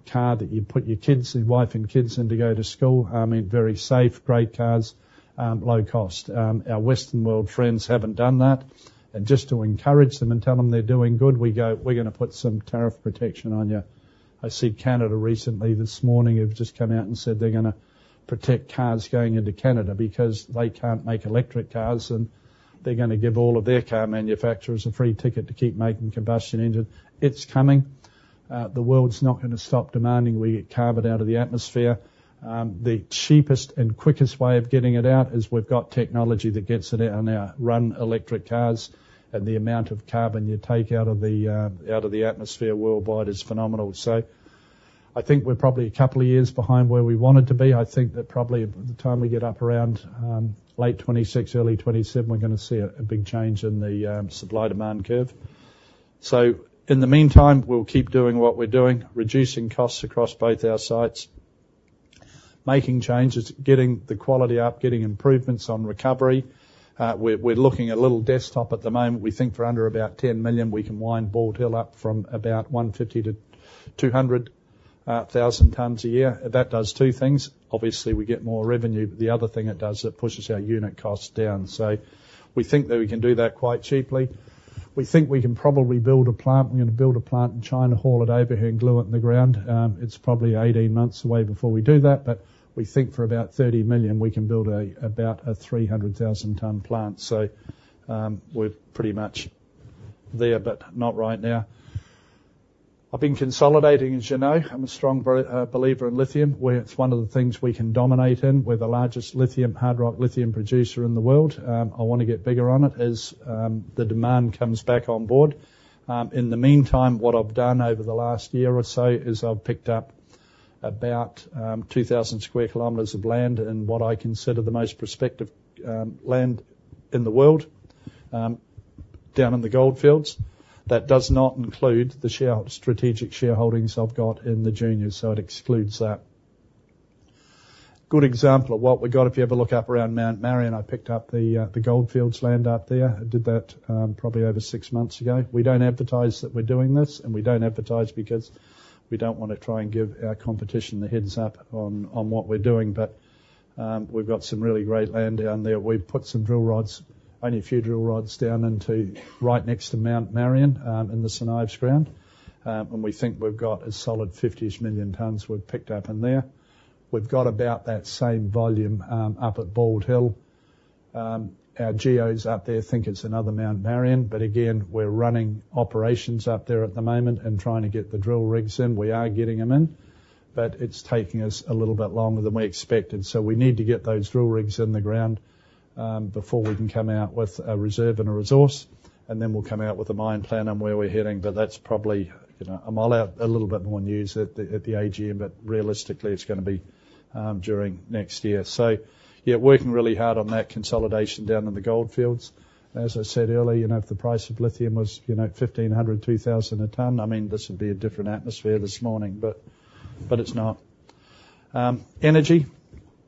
car that you put your kids, your wife, and kids in to go to school. I mean, very safe, great cars, low cost. Our Western world friends haven't done that. And just to encourage them and tell them they're doing good, we go, "We're gonna put some tariff protection on you." I see Canada recently, this morning, have just come out and said they're gonna protect cars going into Canada because they can't make electric cars, and they're gonna give all of their car manufacturers a free ticket to keep making combustion engines. It's coming. The world's not gonna stop demanding we get carbon out of the atmosphere. The cheapest and quickest way of getting it out is we've got technology that gets it out now. Run electric cars, and the amount of carbon you take out of the atmosphere worldwide is phenomenal. So I think we're probably a couple of years behind where we wanted to be. I think that probably, by the time we get up around late 2026, early 2027, we're gonna see a big change in the supply-demand curve. So in the meantime, we'll keep doing what we're doing: reducing costs across both our sites, making changes, getting the quality up, getting improvements on recovery. We're looking at a little desktop at the moment. We think for under about 10 million, we can wind Bald Hill up from about 150 to 200 thousand tons a year. That does two things. Obviously, we get more revenue, but the other thing it does, it pushes our unit costs down. So we think that we can do that quite cheaply. We think we can probably build a plant. We're gonna build a plant in China, haul it over here, and glue it in the ground. It's probably 18 months away before we do that, but we think for about 30 million, we can build a, about a 300,000-ton plant, so we're pretty much there, but not right now. I've been consolidating, as you know. I'm a strong believer in lithium, where it's one of the things we can dominate in. We're the largest lithium, hard rock lithium producer in the world. I wanna get bigger on it as the demand comes back on board. In the meantime, what I've done over the last year or so is I've picked up about 2,000 sq km of land in what I consider the most prospective land in the world, down in the Goldfields. That does not include the strategic shareholdings I've got in the juniors, so it excludes that. Good example of what we've got, if you have a look up around Mount Marion. I picked up the Goldfields land up there. I did that, probably over six months ago. We don't advertise that we're doing this, and we don't advertise because we don't want to try and give our competition the heads-up on what we're doing. But we've got some really great land down there. We've put some drill rods, only a few drill rods, down into right next to Mount Marion, in the St Ives Ground. And we think we've got a solid fifty-ish million tons we've picked up in there. We've got about that same volume, up at Bald Hill. Our geos up there think it's another Mount Marion, but again, we're running operations up there at the moment and trying to get the drill rigs in. We are getting them in, but it's taking us a little bit longer than we expected. So we need to get those drill rigs in the ground before we can come out with a reserve and a resource, and then we'll come out with a mine plan on where we're heading. But that's probably, you know, I'll roll out a little bit more news at the AGM, but realistically, it's gonna be during next year. So yeah, working really hard on that consolidation down in the Goldfields. As I said earlier, you know, if the price of lithium was, you know, fifteen hundred, two thousand a ton, I mean, this would be a different atmosphere this morning, but it's not. Energy,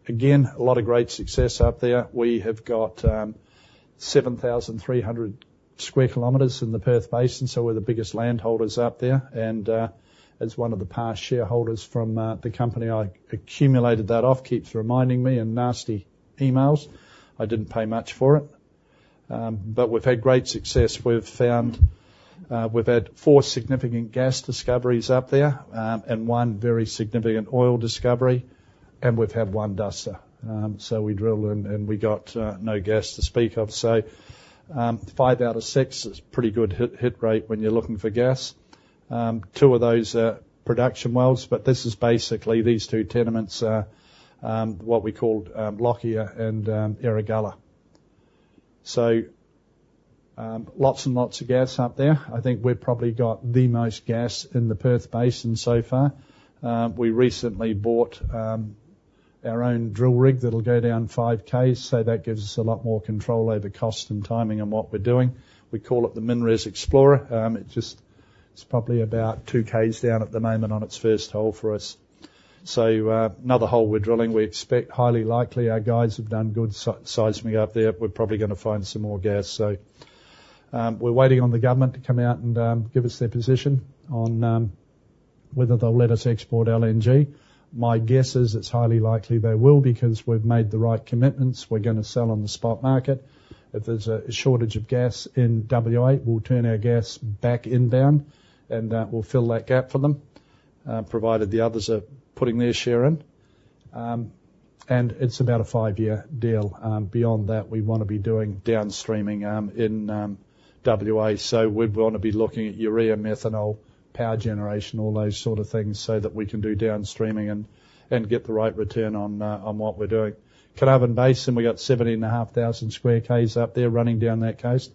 again, a lot of great success up there. We have got 7,300 square kilometers in the Perth Basin, so we're the biggest landholders up there. And, as one of the past shareholders from the company I accumulated that off keeps reminding me in nasty emails, I didn't pay much for it. But we've had great success. We've found we've had four significant gas discoveries up there, and one very significant oil discovery, and we've had one duster. So we drilled in, and we got no gas to speak of. So, five out of six is a pretty good hit rate when you're looking for gas. Two of those are production wells, but this is basically... These two tenements are what we call Lockyer and Erregulla. So, lots and lots of gas up there. I think we've probably got the most gas in the Perth Basin so far. We recently bought our own drill rig that'll go down 5K, so that gives us a lot more control over cost and timing and what we're doing. We call it the MinRes Explorer. It's probably about 2Ks down at the moment on its first hole for us. Another hole we're drilling. We expect highly likely. Our guys have done good seismic up there. We're probably gonna find some more gas. We're waiting on the government to come out and give us their position on whether they'll let us export LNG. My guess is it's highly likely they will because we've made the right commitments. We're gonna sell on the spot market. If there's a shortage of gas in WA, we'll turn our gas back inbound, and we'll fill that gap for them, provided the others are putting their share in. And it's about a five-year deal. Beyond that, we want to be doing down streaming in WA. So we'd want to be looking at urea, methanol, power generation, all those sort of things, so that we can do down streaming and get the right return on what we're doing. Carnarvon Basin, we got 70.5 thousand square km up there running down that coast.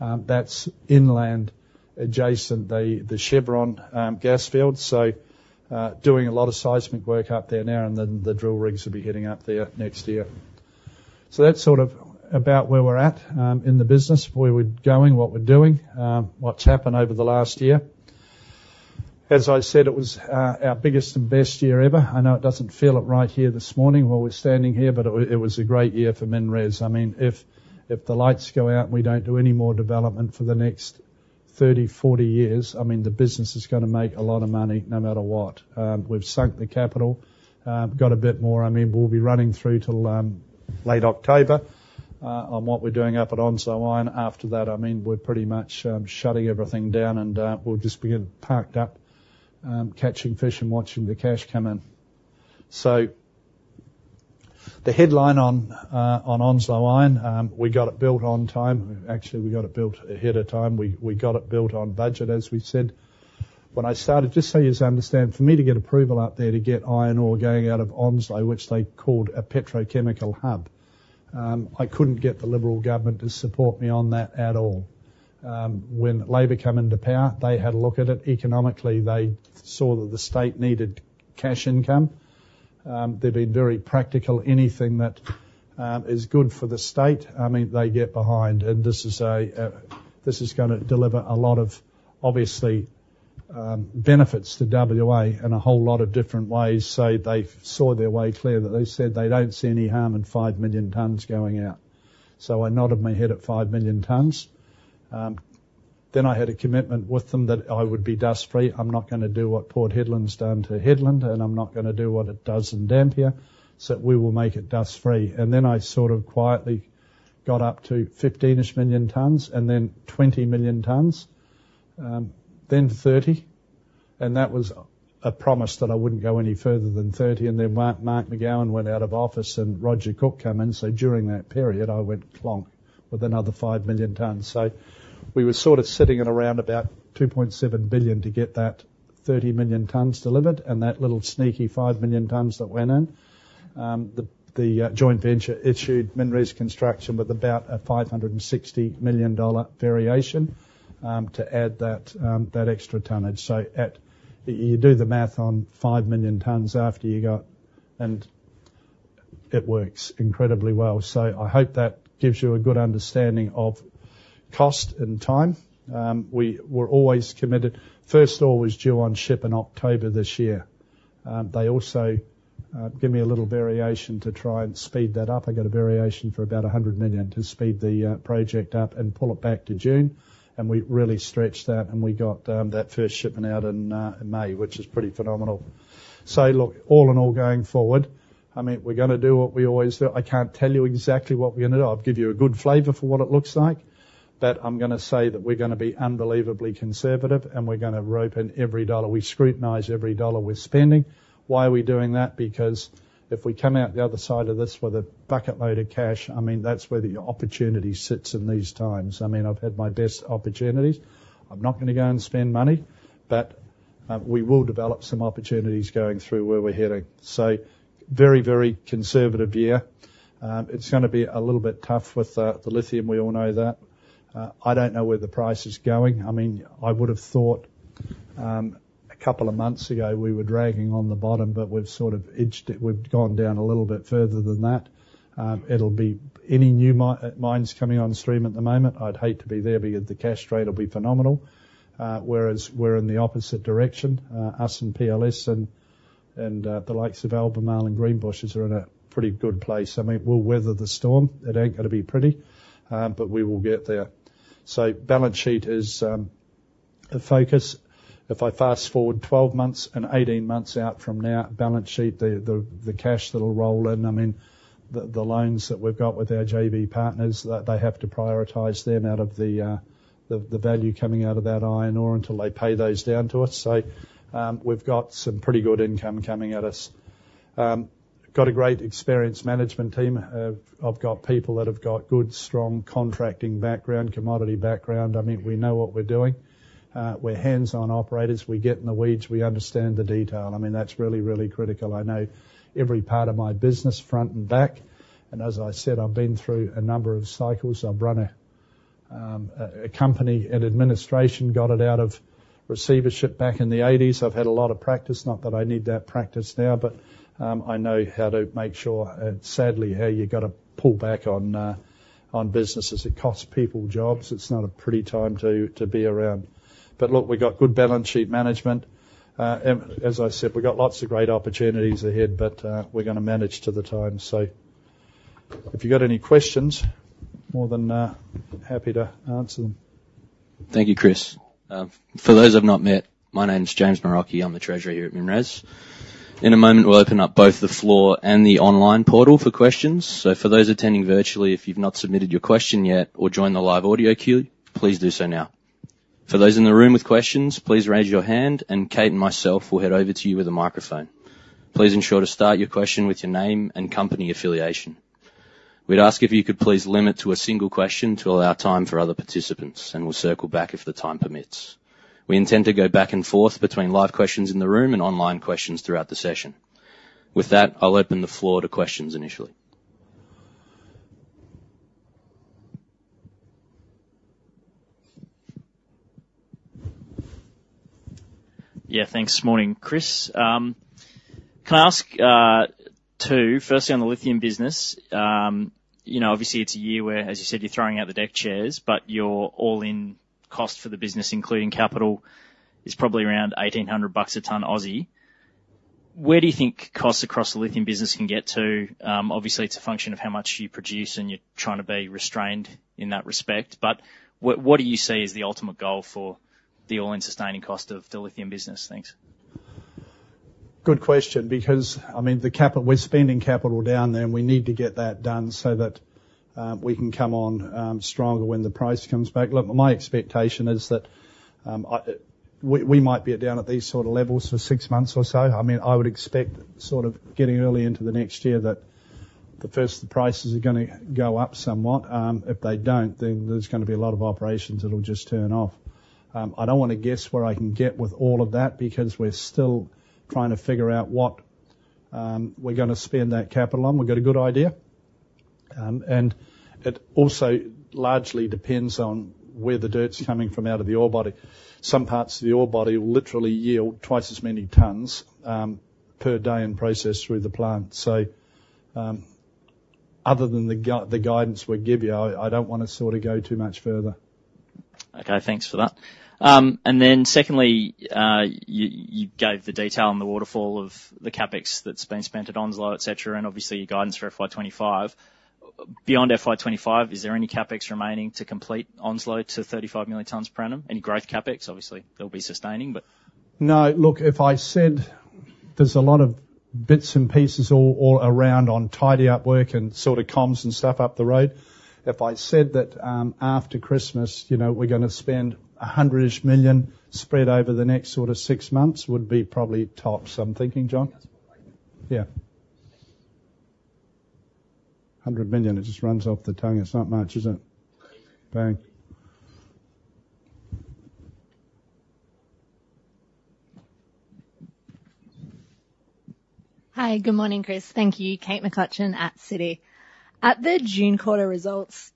That's inland, adjacent the Chevron gas field. So, doing a lot of seismic work up there now, and then the drill rigs will be heading up there next year. So that's sort of about where we're at, in the business, where we're going, what we're doing, what's happened over the last year. As I said, it was our biggest and best year ever. I know it doesn't feel it right here this morning while we're standing here, but it was a great year for MinRes. I mean, if, if the lights go out and we don't do any more development for the next thirty, forty years, I mean, the business is gonna make a lot of money no matter what. We've sunk the capital, got a bit more. I mean, we'll be running through till late October, on what we're doing up at Onslow Iron. After that, I mean, we're pretty much shutting everything down, and we'll just be parked up catching fish and watching the cash come in. The headline on Onslow Iron, we got it built on time. Actually, we got it built ahead of time. We got it built on budget, as we said. When I started, just so youse understand, for me to get approval out there to get iron ore going out of Onslow, which they called a petrochemical hub, I couldn't get the Liberal government to support me on that at all. When Labor come into power, they had a look at it. Economically, they saw that the state needed cash income. They've been very practical. Anything that is good for the state, I mean, they get behind, and this is a... This is gonna deliver a lot of, obviously, benefits to WA in a whole lot of different ways. So they saw their way clear, that they said they don't see any harm in five million tons going out. So I nodded my head at five million tons. Then I had a commitment with them that I would be dust-free. I'm not gonna do what Port Hedland's done to Hedland, and I'm not gonna do what it does in Dampier, so we will make it dust-free. And then I sort of quietly got up to fifteen-ish million tons, and then twenty million tons, then thirty, and that was a promise that I wouldn't go any further than thirty. And then Mark, Mark McGowan went out of office and Roger Cook come in, so during that period I went clunk with another five million tons. We were sort of sitting at around about 2.7 billion to get that 30 million tons delivered, and that little sneaky 5 million tons that went in. The joint venture issued MinRes Construction with about a 560 million dollar variation to add that extra tonnage. So you do the math on 5 million tons after you got, and it works incredibly well. So I hope that gives you a good understanding of cost and time. We were always committed. First ore was due on ship in October this year. They also gave me a little variation to try and speed that up. I got a variation for about 100 million to speed the project up and pull it back to June, and we really stretched that, and we got that first shipment out in May, which is pretty phenomenal. So look, all in all, going forward, I mean, we're gonna do what we always do. I can't tell you exactly what we're gonna do. I'll give you a good flavor for what it looks like, but I'm gonna say that we're gonna be unbelievably conservative, and we're gonna rope in every dollar. We scrutinize every dollar we're spending. Why are we doing that? Because if we come out the other side of this with a bucket load of cash, I mean, that's where the opportunity sits in these times. I mean, I've had my best opportunities. I'm not gonna go and spend money, but we will develop some opportunities going through where we're heading. So very, very conservative year. It's gonna be a little bit tough with the lithium. We all know that. I don't know where the price is going. I mean, I would have thought a couple of months ago, we were dragging on the bottom, but we've sort of inched it. We've gone down a little bit further than that. It'll be any new mines coming on stream at the moment, I'd hate to be there, because the cash rate will be phenomenal. Whereas we're in the opposite direction, us and PLS and the likes of Albemarle and Greenbushes are in a pretty good place. I mean, we'll weather the storm. It ain't gonna be pretty, but we will get there. So balance sheet is a focus. If I fast-forward 12 months and 18 months out from now, balance sheet, the cash that'll roll in, I mean, the loans that we've got with our JV partners, they have to prioritize them out of the value coming out of that iron ore until they pay those down to us. So we've got some pretty good income coming at us. Got a great, experienced management team. I've got people that have got good, strong, contracting background, commodity background. I mean, we know what we're doing. We're hands-on operators. We get in the weeds. We understand the detail. I mean, that's really, really critical. I know every part of my business, front and back, and as I said, I've been through a number of cycles. I've run a company in administration, got it out of receivership back in the eighties. I've had a lot of practice, not that I need that practice now, but I know how to make sure and sadly, how you got to pull back on businesses. It costs people jobs. It's not a pretty time to be around. But look, we've got good balance sheet management. And as I said, we've got lots of great opportunities ahead, but we're gonna manage to the times. So if you've got any questions, more than happy to answer them. Thank you, Chris. For those I've not met, my name's James Bruce. I'm the treasurer here at MinRes. In a moment, we'll open up both the floor and the online portal for questions. So for those attending virtually, if you've not submitted your question yet or joined the live audio queue, please do so now. For those in the room with questions, please raise your hand, and Kate and myself will head over to you with a microphone. Please ensure to start your question with your name and company affiliation. We'd ask if you could please limit to a single question to allow time for other participants, and we'll circle back if the time permits. We intend to go back and forth between live questions in the room and online questions throughout the session. With that, I'll open the floor to questions initially.... Yeah, thanks. Morning, Chris. Can I ask two? Firstly, on the lithium business, you know, obviously, it's a year where, as you said, you're throwing out the deck chairs, but your all-in cost for the business, including capital, is probably around 1,800 bucks a ton. Where do you think costs across the lithium business can get to? Obviously, it's a function of how much you produce, and you're trying to be restrained in that respect. But what do you see as the ultimate goal for the all-in sustaining cost of the lithium business? Thanks. Good question, because, I mean, the capital we're spending down there, and we need to get that done so that we can come on stronger when the price comes back. Look, my expectation is that we might be down at these sort of levels for six months or so. I mean, I would expect sort of getting early into the next year that the first, the prices are gonna go up somewhat. If they don't, then there's gonna be a lot of operations that'll just turn off. I don't wanna guess where I can get with all of that because we're still trying to figure out what we're gonna spend that capital on. We've got a good idea. And it also largely depends on where the dirt's coming from out of the ore body. Some parts of the ore body will literally yield twice as many tons per day in process through the plant. So, other than the guidance we give you, I don't wanna sort of go too much further. Okay, thanks for that. And then secondly, you gave the detail on the waterfall of the CapEx that's been spent at Onslow, et cetera, and obviously, your guidance for FY twenty-five. Beyond FY twenty-five, is there any CapEx remaining to complete Onslow to thirty-five million tons per annum? Any growth CapEx? Obviously, there'll be sustaining, but- No. Look, if I said there's a lot of bits and pieces all around on tidy up work and sort of comms and stuff up the road. If I said that, after Christmas, you know, we're gonna spend 100 million-ish spread over the next sort of six months would be probably tops I'm thinking, John? That's right. Yeah. 100 million, it just runs off the tongue. It's not much, is it? Bang. Hi, good morning, Chris. Thank you. Kate McCutcheon at Citi. At the June quarter results,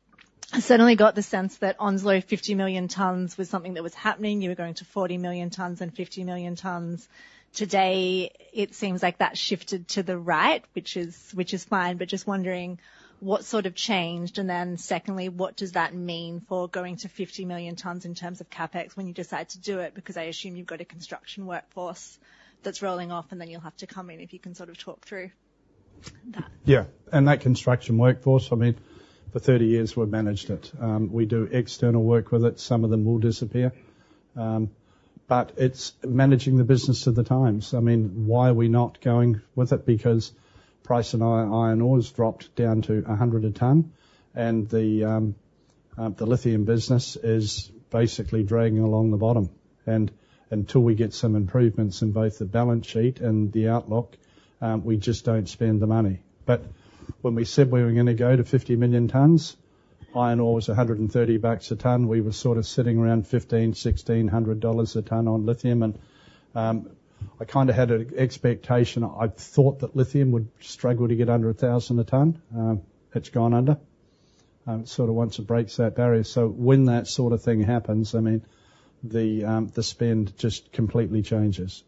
I certainly got the sense that Onslow, 50 million tons, was something that was happening. You were going to 40 million tons and 50 million tons. Today, it seems like that shifted to the right, which is, which is fine, but just wondering what sort of changed, and then secondly, what does that mean for going to 50 million tons in terms of CapEx when you decide to do it? Because I assume you've got a construction workforce that's rolling off, and then you'll have to come in. If you can sort of talk through that. Yeah. And that construction workforce, I mean, for 30 years, we've managed it. We do external work with it. Some of them will disappear. But it's managing the business of the times. I mean, why are we not going with it? Because price in iron ore has dropped down to $100 a ton, and the, the lithium business is basically dragging along the bottom. And until we get some improvements in both the balance sheet and the outlook, we just don't spend the money. But when we said we were gonna go to 50 million tons, iron ore was $130 a ton. We were sort of sitting around 1,500-1,600 dollars a ton on lithium, and, I kinda had an expectation. I thought that lithium would struggle to get under $1,000 a ton. It's gone under, sort of once it breaks that barrier. So when that sort of thing happens, I mean, the spend just completely changes.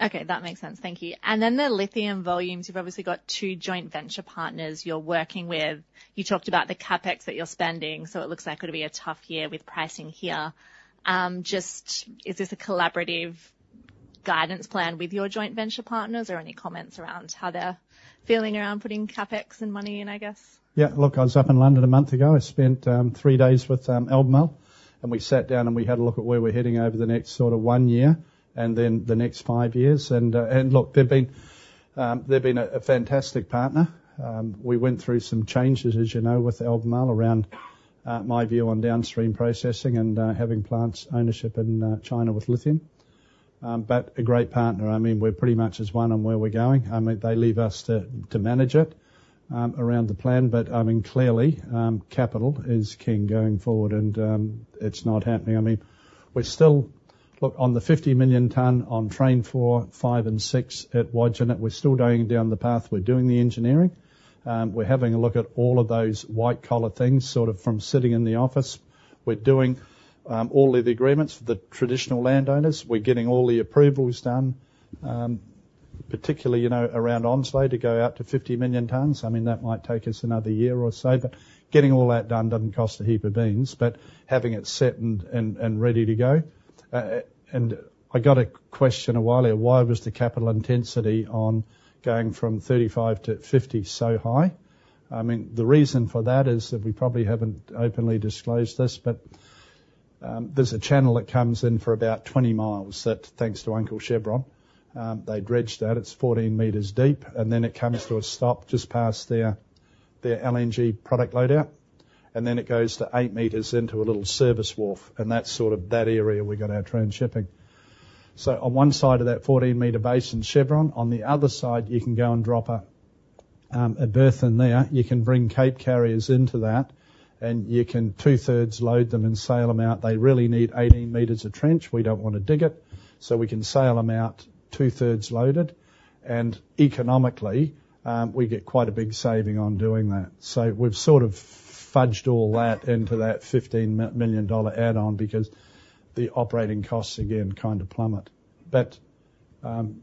Okay, that makes sense. Thank you. And then the lithium volumes, you've obviously got two joint venture partners you're working with. You talked about the CapEx that you're spending, so it looks like it'll be a tough year with pricing here. Is this a collaborative guidance plan with your joint venture partners, or any comments around how they're feeling around putting CapEx and money in, I guess? Yeah. Look, I was up in London a month ago. I spent three days with Albemarle, and we sat down, and we had a look at where we're heading over the next sort of one year, and then the next five years, and look, they've been a fantastic partner. We went through some changes, as you know, with Albemarle around my view on downstream processing and having plants ownership in China with lithium, but a great partner. I mean, we're pretty much as one on where we're going. I mean, they leave us to manage it around the plan, but I mean, clearly, capital is king going forward, and it's not happening. I mean, we're still... Look, on the 50 million ton on train four, five, and six at Wodgina, we're still going down the path. We're doing the engineering. We're having a look at all of those white-collar things, sort of from sitting in the office. We're doing all of the agreements with the traditional landowners. We're getting all the approvals done, particularly, you know, around Onslow to go out to 50 million tons. I mean, that might take us another year or so, but getting all that done doesn't cost a heap of beans, but having it set and ready to go, and I got a question a while ago, why was the capital intensity on going from 35 to 50 so high? I mean, the reason for that is that we probably haven't openly disclosed this, but there's a channel that comes in for about 20 miles, that thanks to Uncle Chevron. They dredged that. It's 14 meters deep, and then it comes to a stop just past their, their LNG product loadout, and then it goes to 8 meters into a little service wharf, and that's sort of that area we got our trainsshipping. So on one side of that 14-meter basin, Chevron, on the other side, you can go and drop a berth in there. You can bring Capesize carriers into that, and you can two-thirds load them and sail them out. They really need 18 meters of trench. We don't wanna dig it, so we can sail them out two-thirds loaded, and economically, we get quite a big saving on doing that. So we've sort of fudged all that into that 15 million dollar add-on because the operating costs, again, kind of plummet.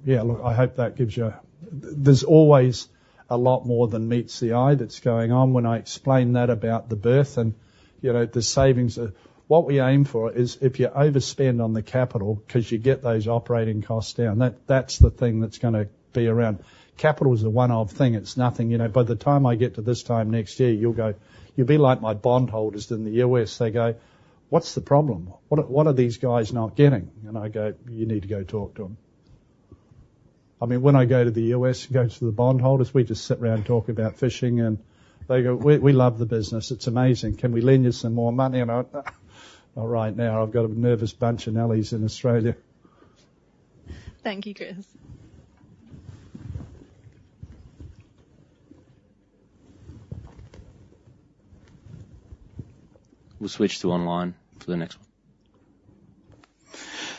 Yeah, look, I hope that gives you, there's always a lot more than meets the eye that's going on when I explain that about the berth and, you know, the savings are. What we aim for is if you overspend on the capital, because you get those operating costs down, that, that's the thing that's gonna be around. Capital is a one-off thing. It's nothing. You know, by the time I get to this time next year, you'll go, you'll be like my bondholders in the U.S. They go, "What's the problem? What are these guys not getting?" And I go, "You need to go talk to them." I mean, when I go to the U.S., go to the bondholders, we just sit around, talk about fishing, and they go, "We love the business. It's amazing. Can we lend you some more money?" And I, not right now, I've got a nervous bunch of nellies in Australia. Thank you, Chris. We'll switch to online for the next one.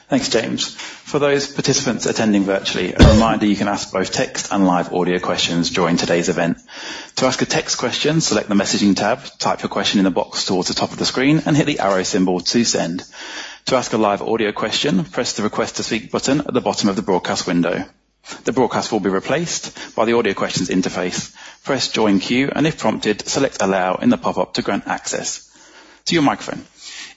Thanks, James. For those participants attending virtually, a reminder, you can ask both text and live audio questions during today's event. To ask a text question, select the Messaging tab, type your question in the box towards the top of the screen, and hit the arrow symbol to send. To ask a live audio question, press the Request to Speak button at the bottom of the broadcast window. The broadcast will be replaced by the Audio Questions interface. Press Join Queue, and if prompted, select Allow in the pop-up to grant access to your microphone.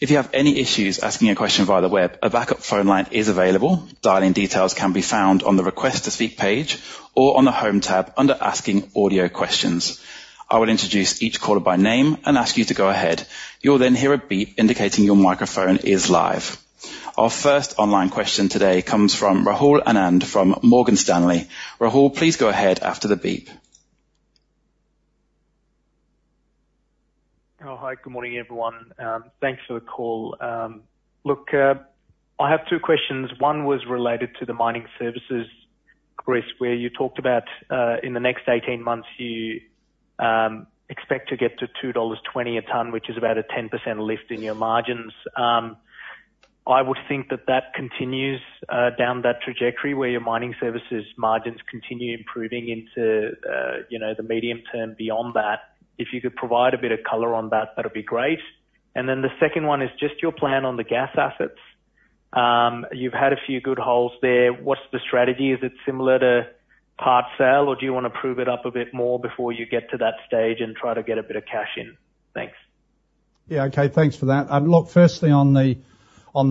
If you have any issues asking a question via the web, a backup phone line is available. Dialing details can be found on the Request to Speak page or on the Home tab under Asking Audio Questions. I will introduce each caller by name and ask you to go ahead. You'll then hear a beep indicating your microphone is live. Our first online question today comes from Rahul Anand from Morgan Stanley. Rahul, please go ahead after the beep. Oh, hi, good morning, everyone. Thanks for the call. Look, I have two questions. One was related to the mining services, Chris, where you talked about in the next eighteen months, you expect to get to 2.20 dollars a ton, which is about a 10% lift in your margins. I would think that that continues down that trajectory where your mining services margins continue improving into, you know, the medium term. Beyond that, if you could provide a bit of color on that, that'd be great. And then the second one is just your plan on the gas assets. You've had a few good holes there. What's the strategy? Is it similar to part sale, or do you want to prove it up a bit more before you get to that stage and try to get a bit of cash in? Thanks. Yeah, okay, thanks for that. And look, firstly, on the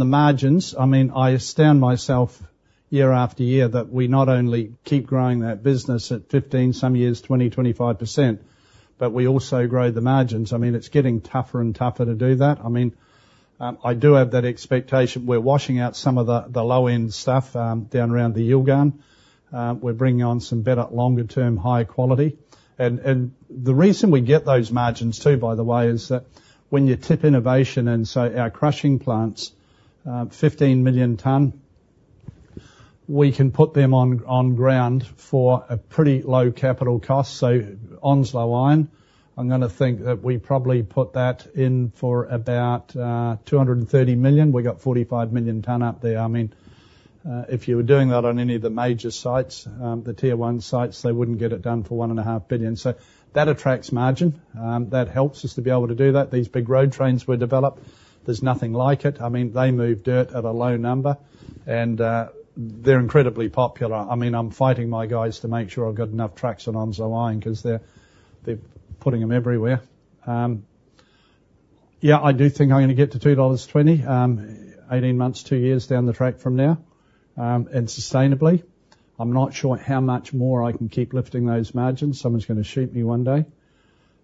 margins, I mean, I astound myself year after year that we not only keep growing that business at 15%, some years 20%, 25%, but we also grow the margins. I mean, it's getting tougher and tougher to do that. I mean, I do have that expectation. We're washing out some of the low-end stuff down around the Yilgarn. We're bringing on some better, longer-term, high quality. And the reason we get those margins too, by the way, is that when you tip innovation, and so our crushing plants, 15 million ton, we can put them on ground for a pretty low capital cost. So Onslow Iron, I'm gonna think that we probably put that in for about 230 million. We got 45 million ton up there. I mean, if you were doing that on any of the major sites, the tier one sites, they wouldn't get it done for 1.5 billion. So that attracts margin. That helps us to be able to do that. These big road trains were developed. There's nothing like it. I mean, they move dirt at a low number, and, they're incredibly popular. I mean, I'm fighting my guys to make sure I've got enough trucks at Onslow Iron, 'cause they're putting them everywhere. Yeah, I do think I'm gonna get to 2.20 dollars, eighteen months, two years down the track from now, and sustainably. I'm not sure how much more I can keep lifting those margins. Someone's gonna shoot me one day.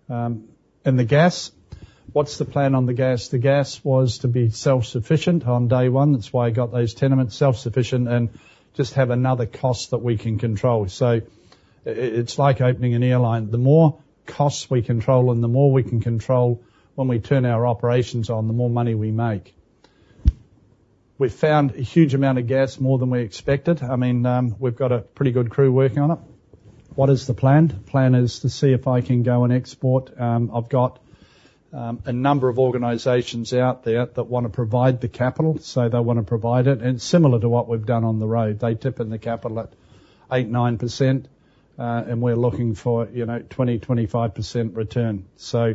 And the gas, what's the plan on the gas? The gas was to be self-sufficient on day one. That's why I got those tenements self-sufficient and just have another cost that we can control. So it's like opening an airline. The more costs we control and the more we can control when we turn our operations on, the more money we make. We found a huge amount of gas, more than we expected. I mean, we've got a pretty good crew working on it. What is the plan? The plan is to see if I can go and export. I've got a number of organizations out there that wanna provide the capital, so they wanna provide it. And similar to what we've done on the road, they tip in the capital at 8-9%, and we're looking for, you know, 20-25% return. So,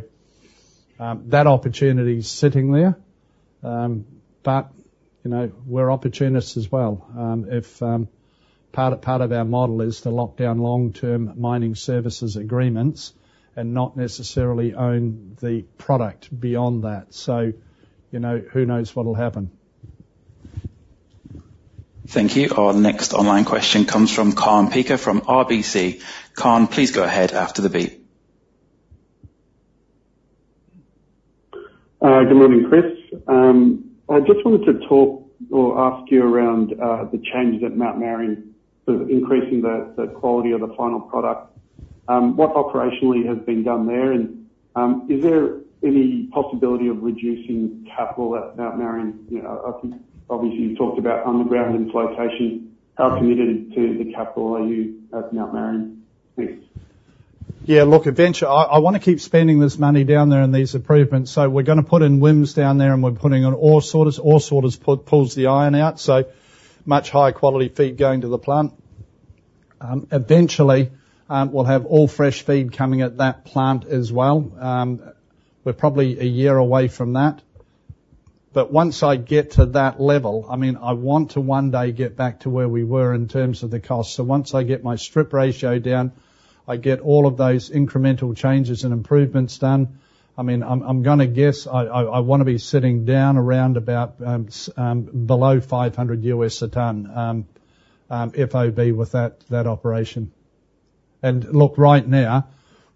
that opportunity is sitting there. But, you know, we're opportunists as well. If part of our model is to lock down long-term mining services agreements and not necessarily own the product beyond that. So, you know, who knows what will happen? Thank you. Our next online question comes from Kaan Peker from RBC. Khan, please go ahead after the beep. Good morning, Chris. I just wanted to talk or ask you around the changes at Mount Marion, sort of increasing the quality of the final product. What operationally has been done there, and is there any possibility of reducing capital at Mount Marion? You know, I think obviously you talked about underground and flotation. How committed to the capital are you at Mount Marion? Thanks. Yeah, look, Wodgina, I wanna keep spending this money down there on these improvements, so we're gonna put in WHIMS down there, and we're putting on ore sorters. Ore sorters pulls the iron out, so much higher quality feed going to the plant. Eventually, we'll have all fresh feed coming at that plant as well. We're probably a year away from that. But once I get to that level, I mean, I want to one day get back to where we were in terms of the cost. So once I get my strip ratio down, I get all of those incremental changes and improvements done, I mean, I'm gonna guess I wanna be sitting down around about below $500 a ton FOB with that operation. And look, right now,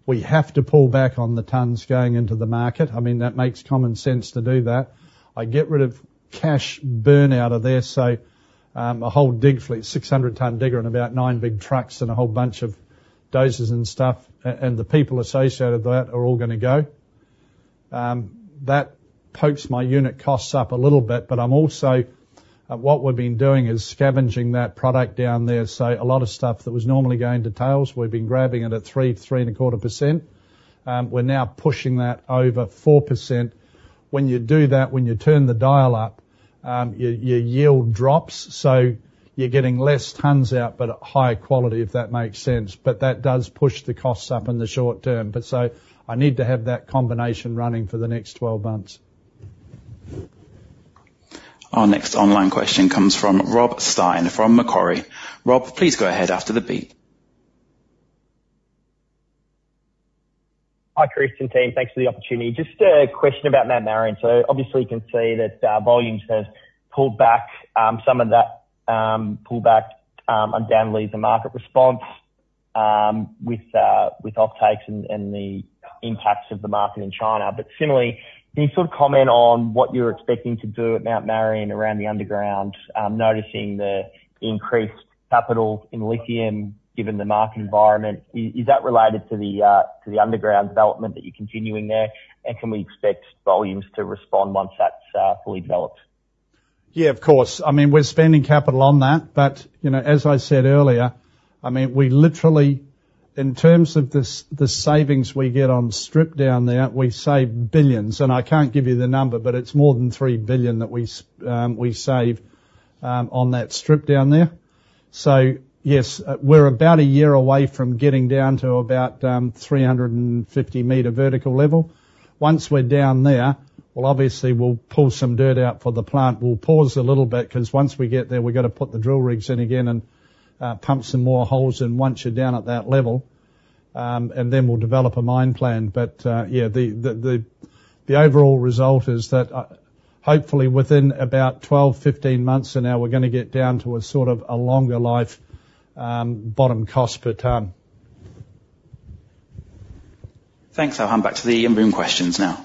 we have to pull back on the tons going into the market. I mean, that makes common sense to do that. I get rid of cash burn out of there, so a whole dig fleet, 600-ton digger and about 9 big trucks and a whole bunch of dozers and stuff, and the people associated with that are all gonna go. That pokes my unit costs up a little bit, but I'm also... What we've been doing is scavenging that product down there. So a lot of stuff that was normally going to tails, we've been grabbing it at 3, 3.25%. We're now pushing that over 4%. When you do that, when you turn the dial up, your yield drops, so you're getting less tons out, but at high quality, if that makes sense. But that does push the costs up in the short term, but so I need to have that combination running for the next 12 months. Our next online question comes from Rob Stein, from Macquarie. Rob, please go ahead after the beep. Hi, Chris and team. Thanks for the opportunity. Just a question about Mount Marion. So obviously, you can see that volumes have pulled back. Some of that pull back undoubtedly is a market response with offtakes and the impacts of the market in China. But similarly, can you sort of comment on what you're expecting to do at Mount Marion around the underground? Noticing the increased capital in lithium, given the market environment, is that related to the underground development that you're continuing there? And can we expect volumes to respond once that's fully developed? Yeah, of course. I mean, we're spending capital on that, but, you know, as I said earlier, I mean, we literally, in terms of the savings we get on strip down there, we save billions, and I can't give you the number, but it's more than three billion that we save on that strip down there. So yes, we're about a year away from getting down to about 350-meter vertical level. Once we're down there, well, obviously, we'll pull some dirt out for the plant. We'll pause a little bit, 'cause once we get there, we've got to put the drill rigs in again and pump some more holes in once you're down at that level, and then we'll develop a mine plan. But yeah, the overall result is that hopefully, within about 12-15 months, so now we're gonna get down to a sort of a longer life, bottom cost per ton. Thanks. I'll hand back to the in-room questions now.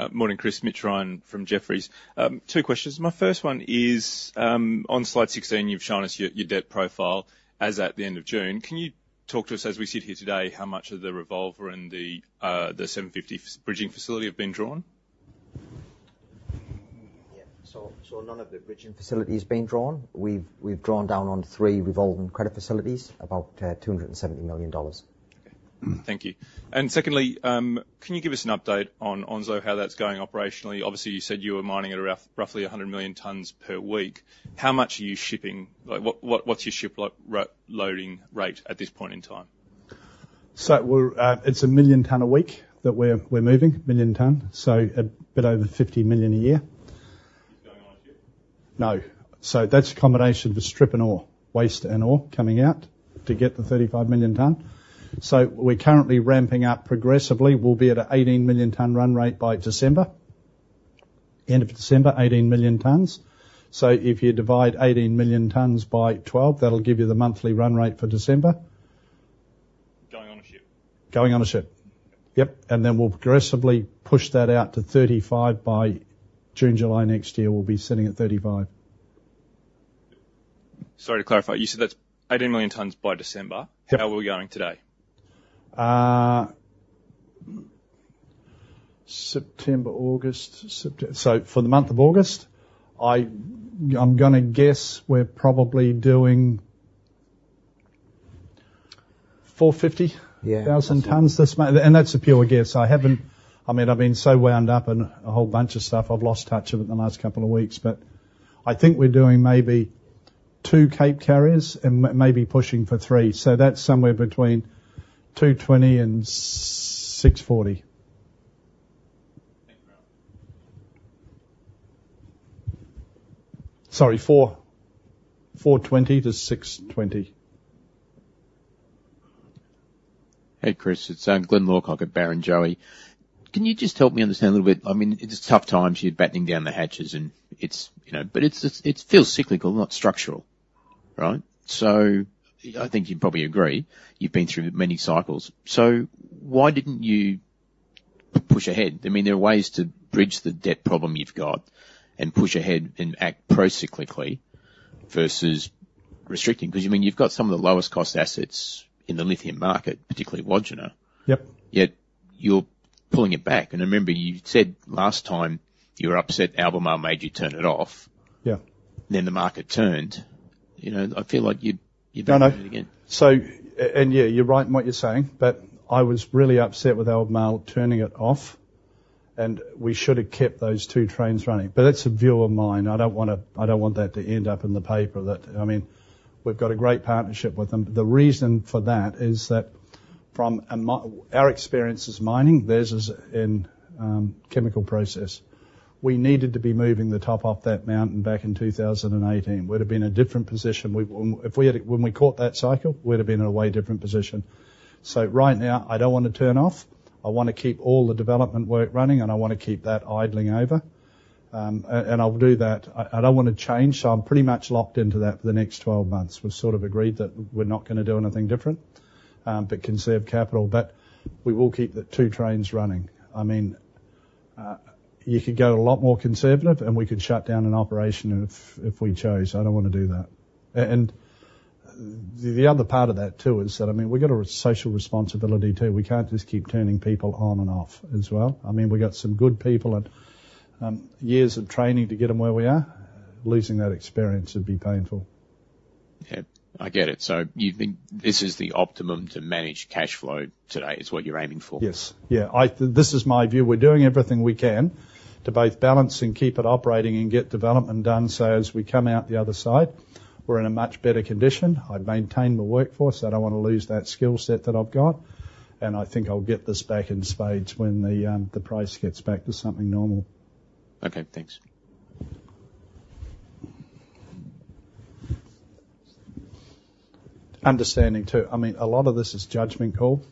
Thank you. Morning, Chris. Mitch Ryan from Jefferies. Two questions. My first one is, on slide sixteen, you've shown us your debt profile as at the end of June. Can you talk to us as we sit here today, how much of the revolver and the seven fifty s- bridging facility have been drawn? Yeah. So, none of the bridging facility has been drawn. We've drawn down on three revolving credit facilities, about 270 million dollars. Thank you. And secondly, can you give us an update on Onslow, how that's going operationally? Obviously, you said you were mining at around roughly 100 million tons per week. How much are you shipping? Like, what's your ship loading rate at this point in time? So we're. It's 1 million tonnes a week that we're moving, so a bit over 50 million a year. Going on a ship? No. So that's a combination of the strip and ore, waste and ore coming out to get the 35 million ton. So we're currently ramping up progressively. We'll be at a 18 million ton run rate by December. End of December, 18 million tons. So if you divide 18 million tons by 12, that'll give you the monthly run rate for December. Going on a ship? Going on a ship. Yep, and then we'll progressively push that out to thirty-five by June, July next year, we'll be sitting at thirty-five. Sorry, to clarify, you said that's eighteen million tons by December. Yep. How are we going today? So for the month of August, I'm gonna guess we're probably doing 450- Yeah. thousand tons this month, and that's a pure guess. I haven't... I mean, I've been so wound up in a whole bunch of stuff. I've lost touch of it in the last couple of weeks, but I think we're doing maybe two Cape carriers and maybe pushing for three, so that's somewhere between two twenty and six forty. Thanks, Rob. Sorry, 420-620. Hey, Chris, it's Glyn Lawcock at Barrenjoey. Can you just help me understand a little bit? I mean, it's tough times. You're battening down the hatches and it's, you know, but it's cyclical, not structural. Right? So I think you'd probably agree, you've been through many cycles. So why didn't you push ahead? I mean, there are ways to bridge the debt problem you've got and push ahead and act procyclically versus restricting. 'Cause I mean, you've got some of the lowest cost assets in the lithium market, particularly Wodgina. Yep. Yet you're pulling it back, and I remember you said last time you were upset Albemarle made you turn it off. Yeah. Then the market turned. You know, I feel like you... No, no. Did it again. Yeah, you're right in what you're saying, but I was really upset with Albemarle turning it off, and we should have kept those two trains running. But that's a view of mine. I don't wanna, I don't want that to end up in the paper. I mean, we've got a great partnership with them. The reason for that is that our experience is mining, theirs is in chemical process. We needed to be moving the top off that mountain back in two thousand and eighteen. We'd have been in a different position. If we had, when we caught that cycle, we'd have been in a way different position. So right now, I don't want to turn off. I wanna keep all the development work running, and I wanna keep that idling over, and I'll do that. I don't wanna change, so I'm pretty much locked into that for the next twelve months. We've sort of agreed that we're not gonna do anything different, but conserve capital. But we will keep the two trains running. I mean, you could go a lot more conservative, and we could shut down an operation if we chose. I don't wanna do that, and the other part of that, too, is that, I mean, we've got a social responsibility, too. We can't just keep turning people on and off as well. I mean, we've got some good people and, years of training to get them where we are. Losing that experience would be painful. Yeah, I get it. So you think this is the optimum to manage cash flow today, is what you're aiming for? Yes. Yeah, this is my view. We're doing everything we can to both balance and keep it operating and get development done. So as we come out the other side, we're in a much better condition. I've maintained the workforce. I don't want to lose that skill set that I've got, and I think I'll get this back in spades when the price gets back to something normal. Okay, thanks. Understanding, too. I mean, a lot of this is a judgment call.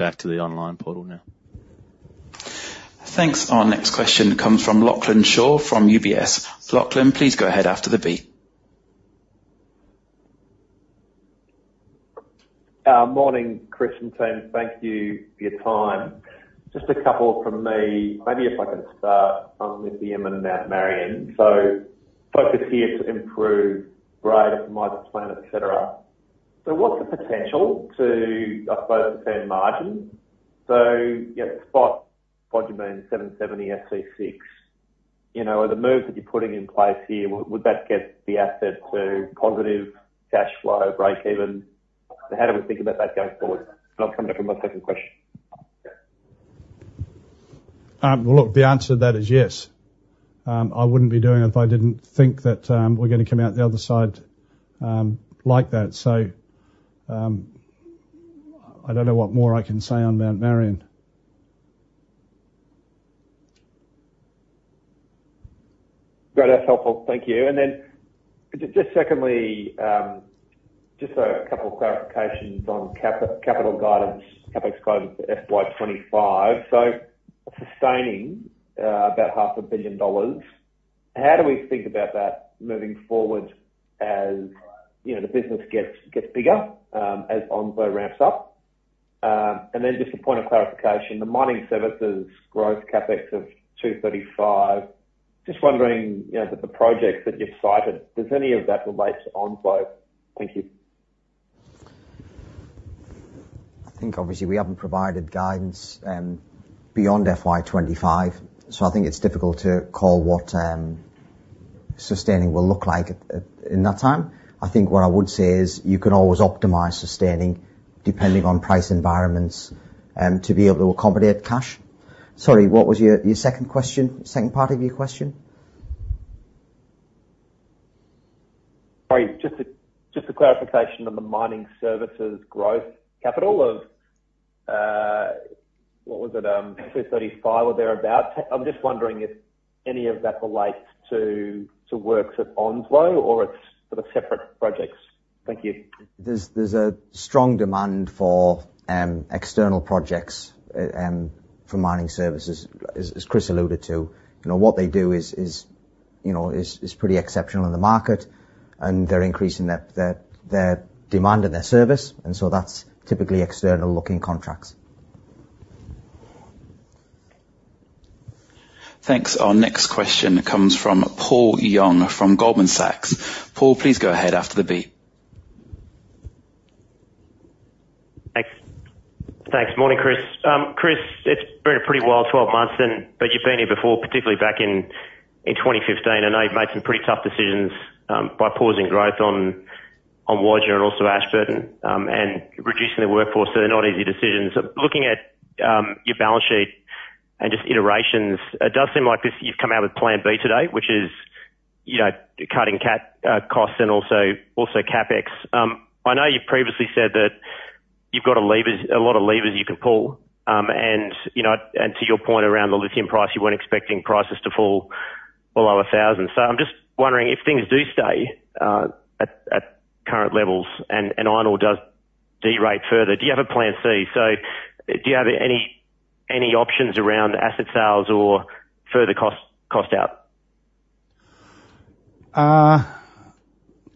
We'll head back to the online portal now. Thanks. Our next question comes from Lachlan Shaw from UBS. Lachlan, please go ahead after the beep. Morning, Chris and team. Thank you for your time. Just a couple from me. Maybe if I could start on lithium and Mount Marion. So focus here to improve grade, margin, et cetera. So what's the potential to, I suppose, maintain margin? So, yeah, spot spodumene $770 SC6. You know, the moves that you're putting in place here, would that get the asset to positive cash flow, breakeven? How do we think about that going forward? And I'll come back for my second question. Well, look, the answer to that is yes. I wouldn't be doing it if I didn't think that we're gonna come out the other side like that. So, I don't know what more I can say on Mount Marion. Great. That's helpful. Thank you. And then just, just secondly, just a couple of clarifications on capital guidance, CapEx guidance for FY 2025. So sustaining, about 500 million dollars, how do we think about that moving forward, as, you know, the business gets bigger, as Onslow ramps up? And then just a point of clarification, the mining services growth CapEx of 235 million, just wondering, you know, that the projects that you've cited, does any of that relate to Onslow? Thank you. I think obviously we haven't provided guidance beyond FY twenty-five, so I think it's difficult to call what sustaining will look like at that time. I think what I would say is you can always optimize sustaining depending on price environments to be able to accommodate cash. Sorry, what was your second question? Second part of your question? Sorry, just a clarification on the mining services growth capital of what was it? 235 or thereabout. I'm just wondering if any of that relates to works at Onslow or it's sort of separate projects. Thank you. There's a strong demand for external projects for mining services, as Chris alluded to. You know, what they do is pretty exceptional in the market, and they're increasing their demand and their service, and so that's typically external-looking contracts. Thanks. Our next question comes from Paul Young from Goldman Sachs. Paul, please go ahead after the beep. Thanks. Thanks. Morning, Chris. Chris, it's been a pretty wild twelve months then, but you've been here before, particularly back in twenty fifteen, and I know you've made some pretty tough decisions by pausing growth on Wodgina and also Ashburton, and reducing the workforce. So they're not easy decisions. Looking at your balance sheet and just iterations, it does seem like this, you've come out with plan B today, which is, you know, cutting costs and also CapEx. I know you've previously said that you've got a lot of levers you can pull. And, you know, and to your point around the lithium price, you weren't expecting prices to fall below a thousand. So I'm just wondering, if things do stay at current levels and iron ore does derate further, do you have a plan C? So do you have any options around asset sales or further cost out?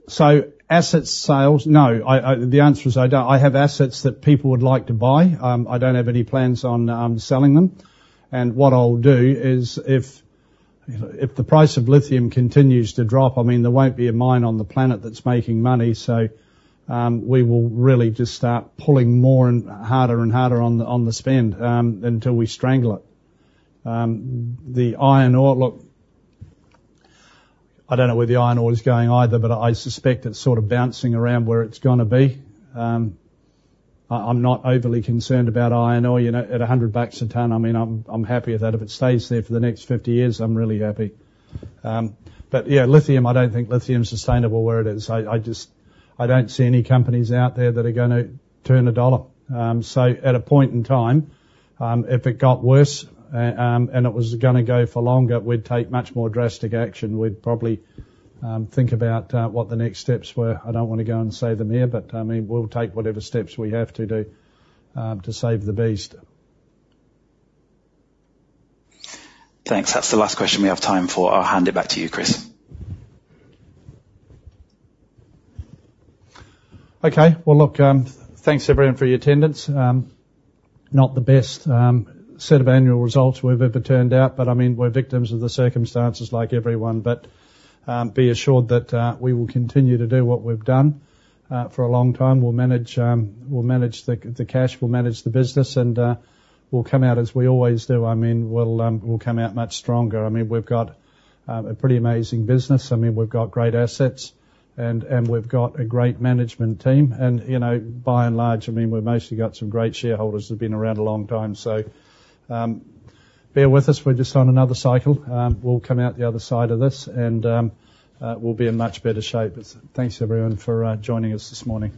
So asset sales, no. The answer is I don't. I have assets that people would like to buy. I don't have any plans on selling them. And what I'll do is, if the price of lithium continues to drop, I mean, there won't be a mine on the planet that's making money, so we will really just start pulling more and harder and harder on the spend until we strangle it. The iron ore, look, I don't know where the iron ore is going either, but I suspect it's sort of bouncing around where it's gonna be. I'm not overly concerned about iron ore. You know, at $100 a ton, I mean, I'm happy with that. If it stays there for the next 50 years, I'm really happy. But yeah, lithium. I don't think lithium is sustainable where it is. I just don't see any companies out there that are gonna turn a dollar. So at a point in time, if it got worse and it was gonna go for longer, we'd take much more drastic action. We'd probably think about what the next steps were. I don't wanna go and say them here, but I mean, we'll take whatever steps we have to do to save the beast. Thanks. That's the last question we have time for. I'll hand it back to you, Chris. Okay. Well, look, thanks, everyone, for your attendance. Not the best set of annual results we've ever turned out, but I mean, we're victims of the circumstances like everyone. But, be assured that we will continue to do what we've done for a long time. We'll manage the cash, we'll manage the business, and we'll come out as we always do. I mean, we'll come out much stronger. I mean, we've got a pretty amazing business. I mean, we've got great assets, and we've got a great management team. And, you know, by and large, I mean, we've mostly got some great shareholders that have been around a long time. So, bear with us. We're just on another cycle. We'll come out the other side of this, and we'll be in much better shape. Thanks, everyone, for joining us this morning.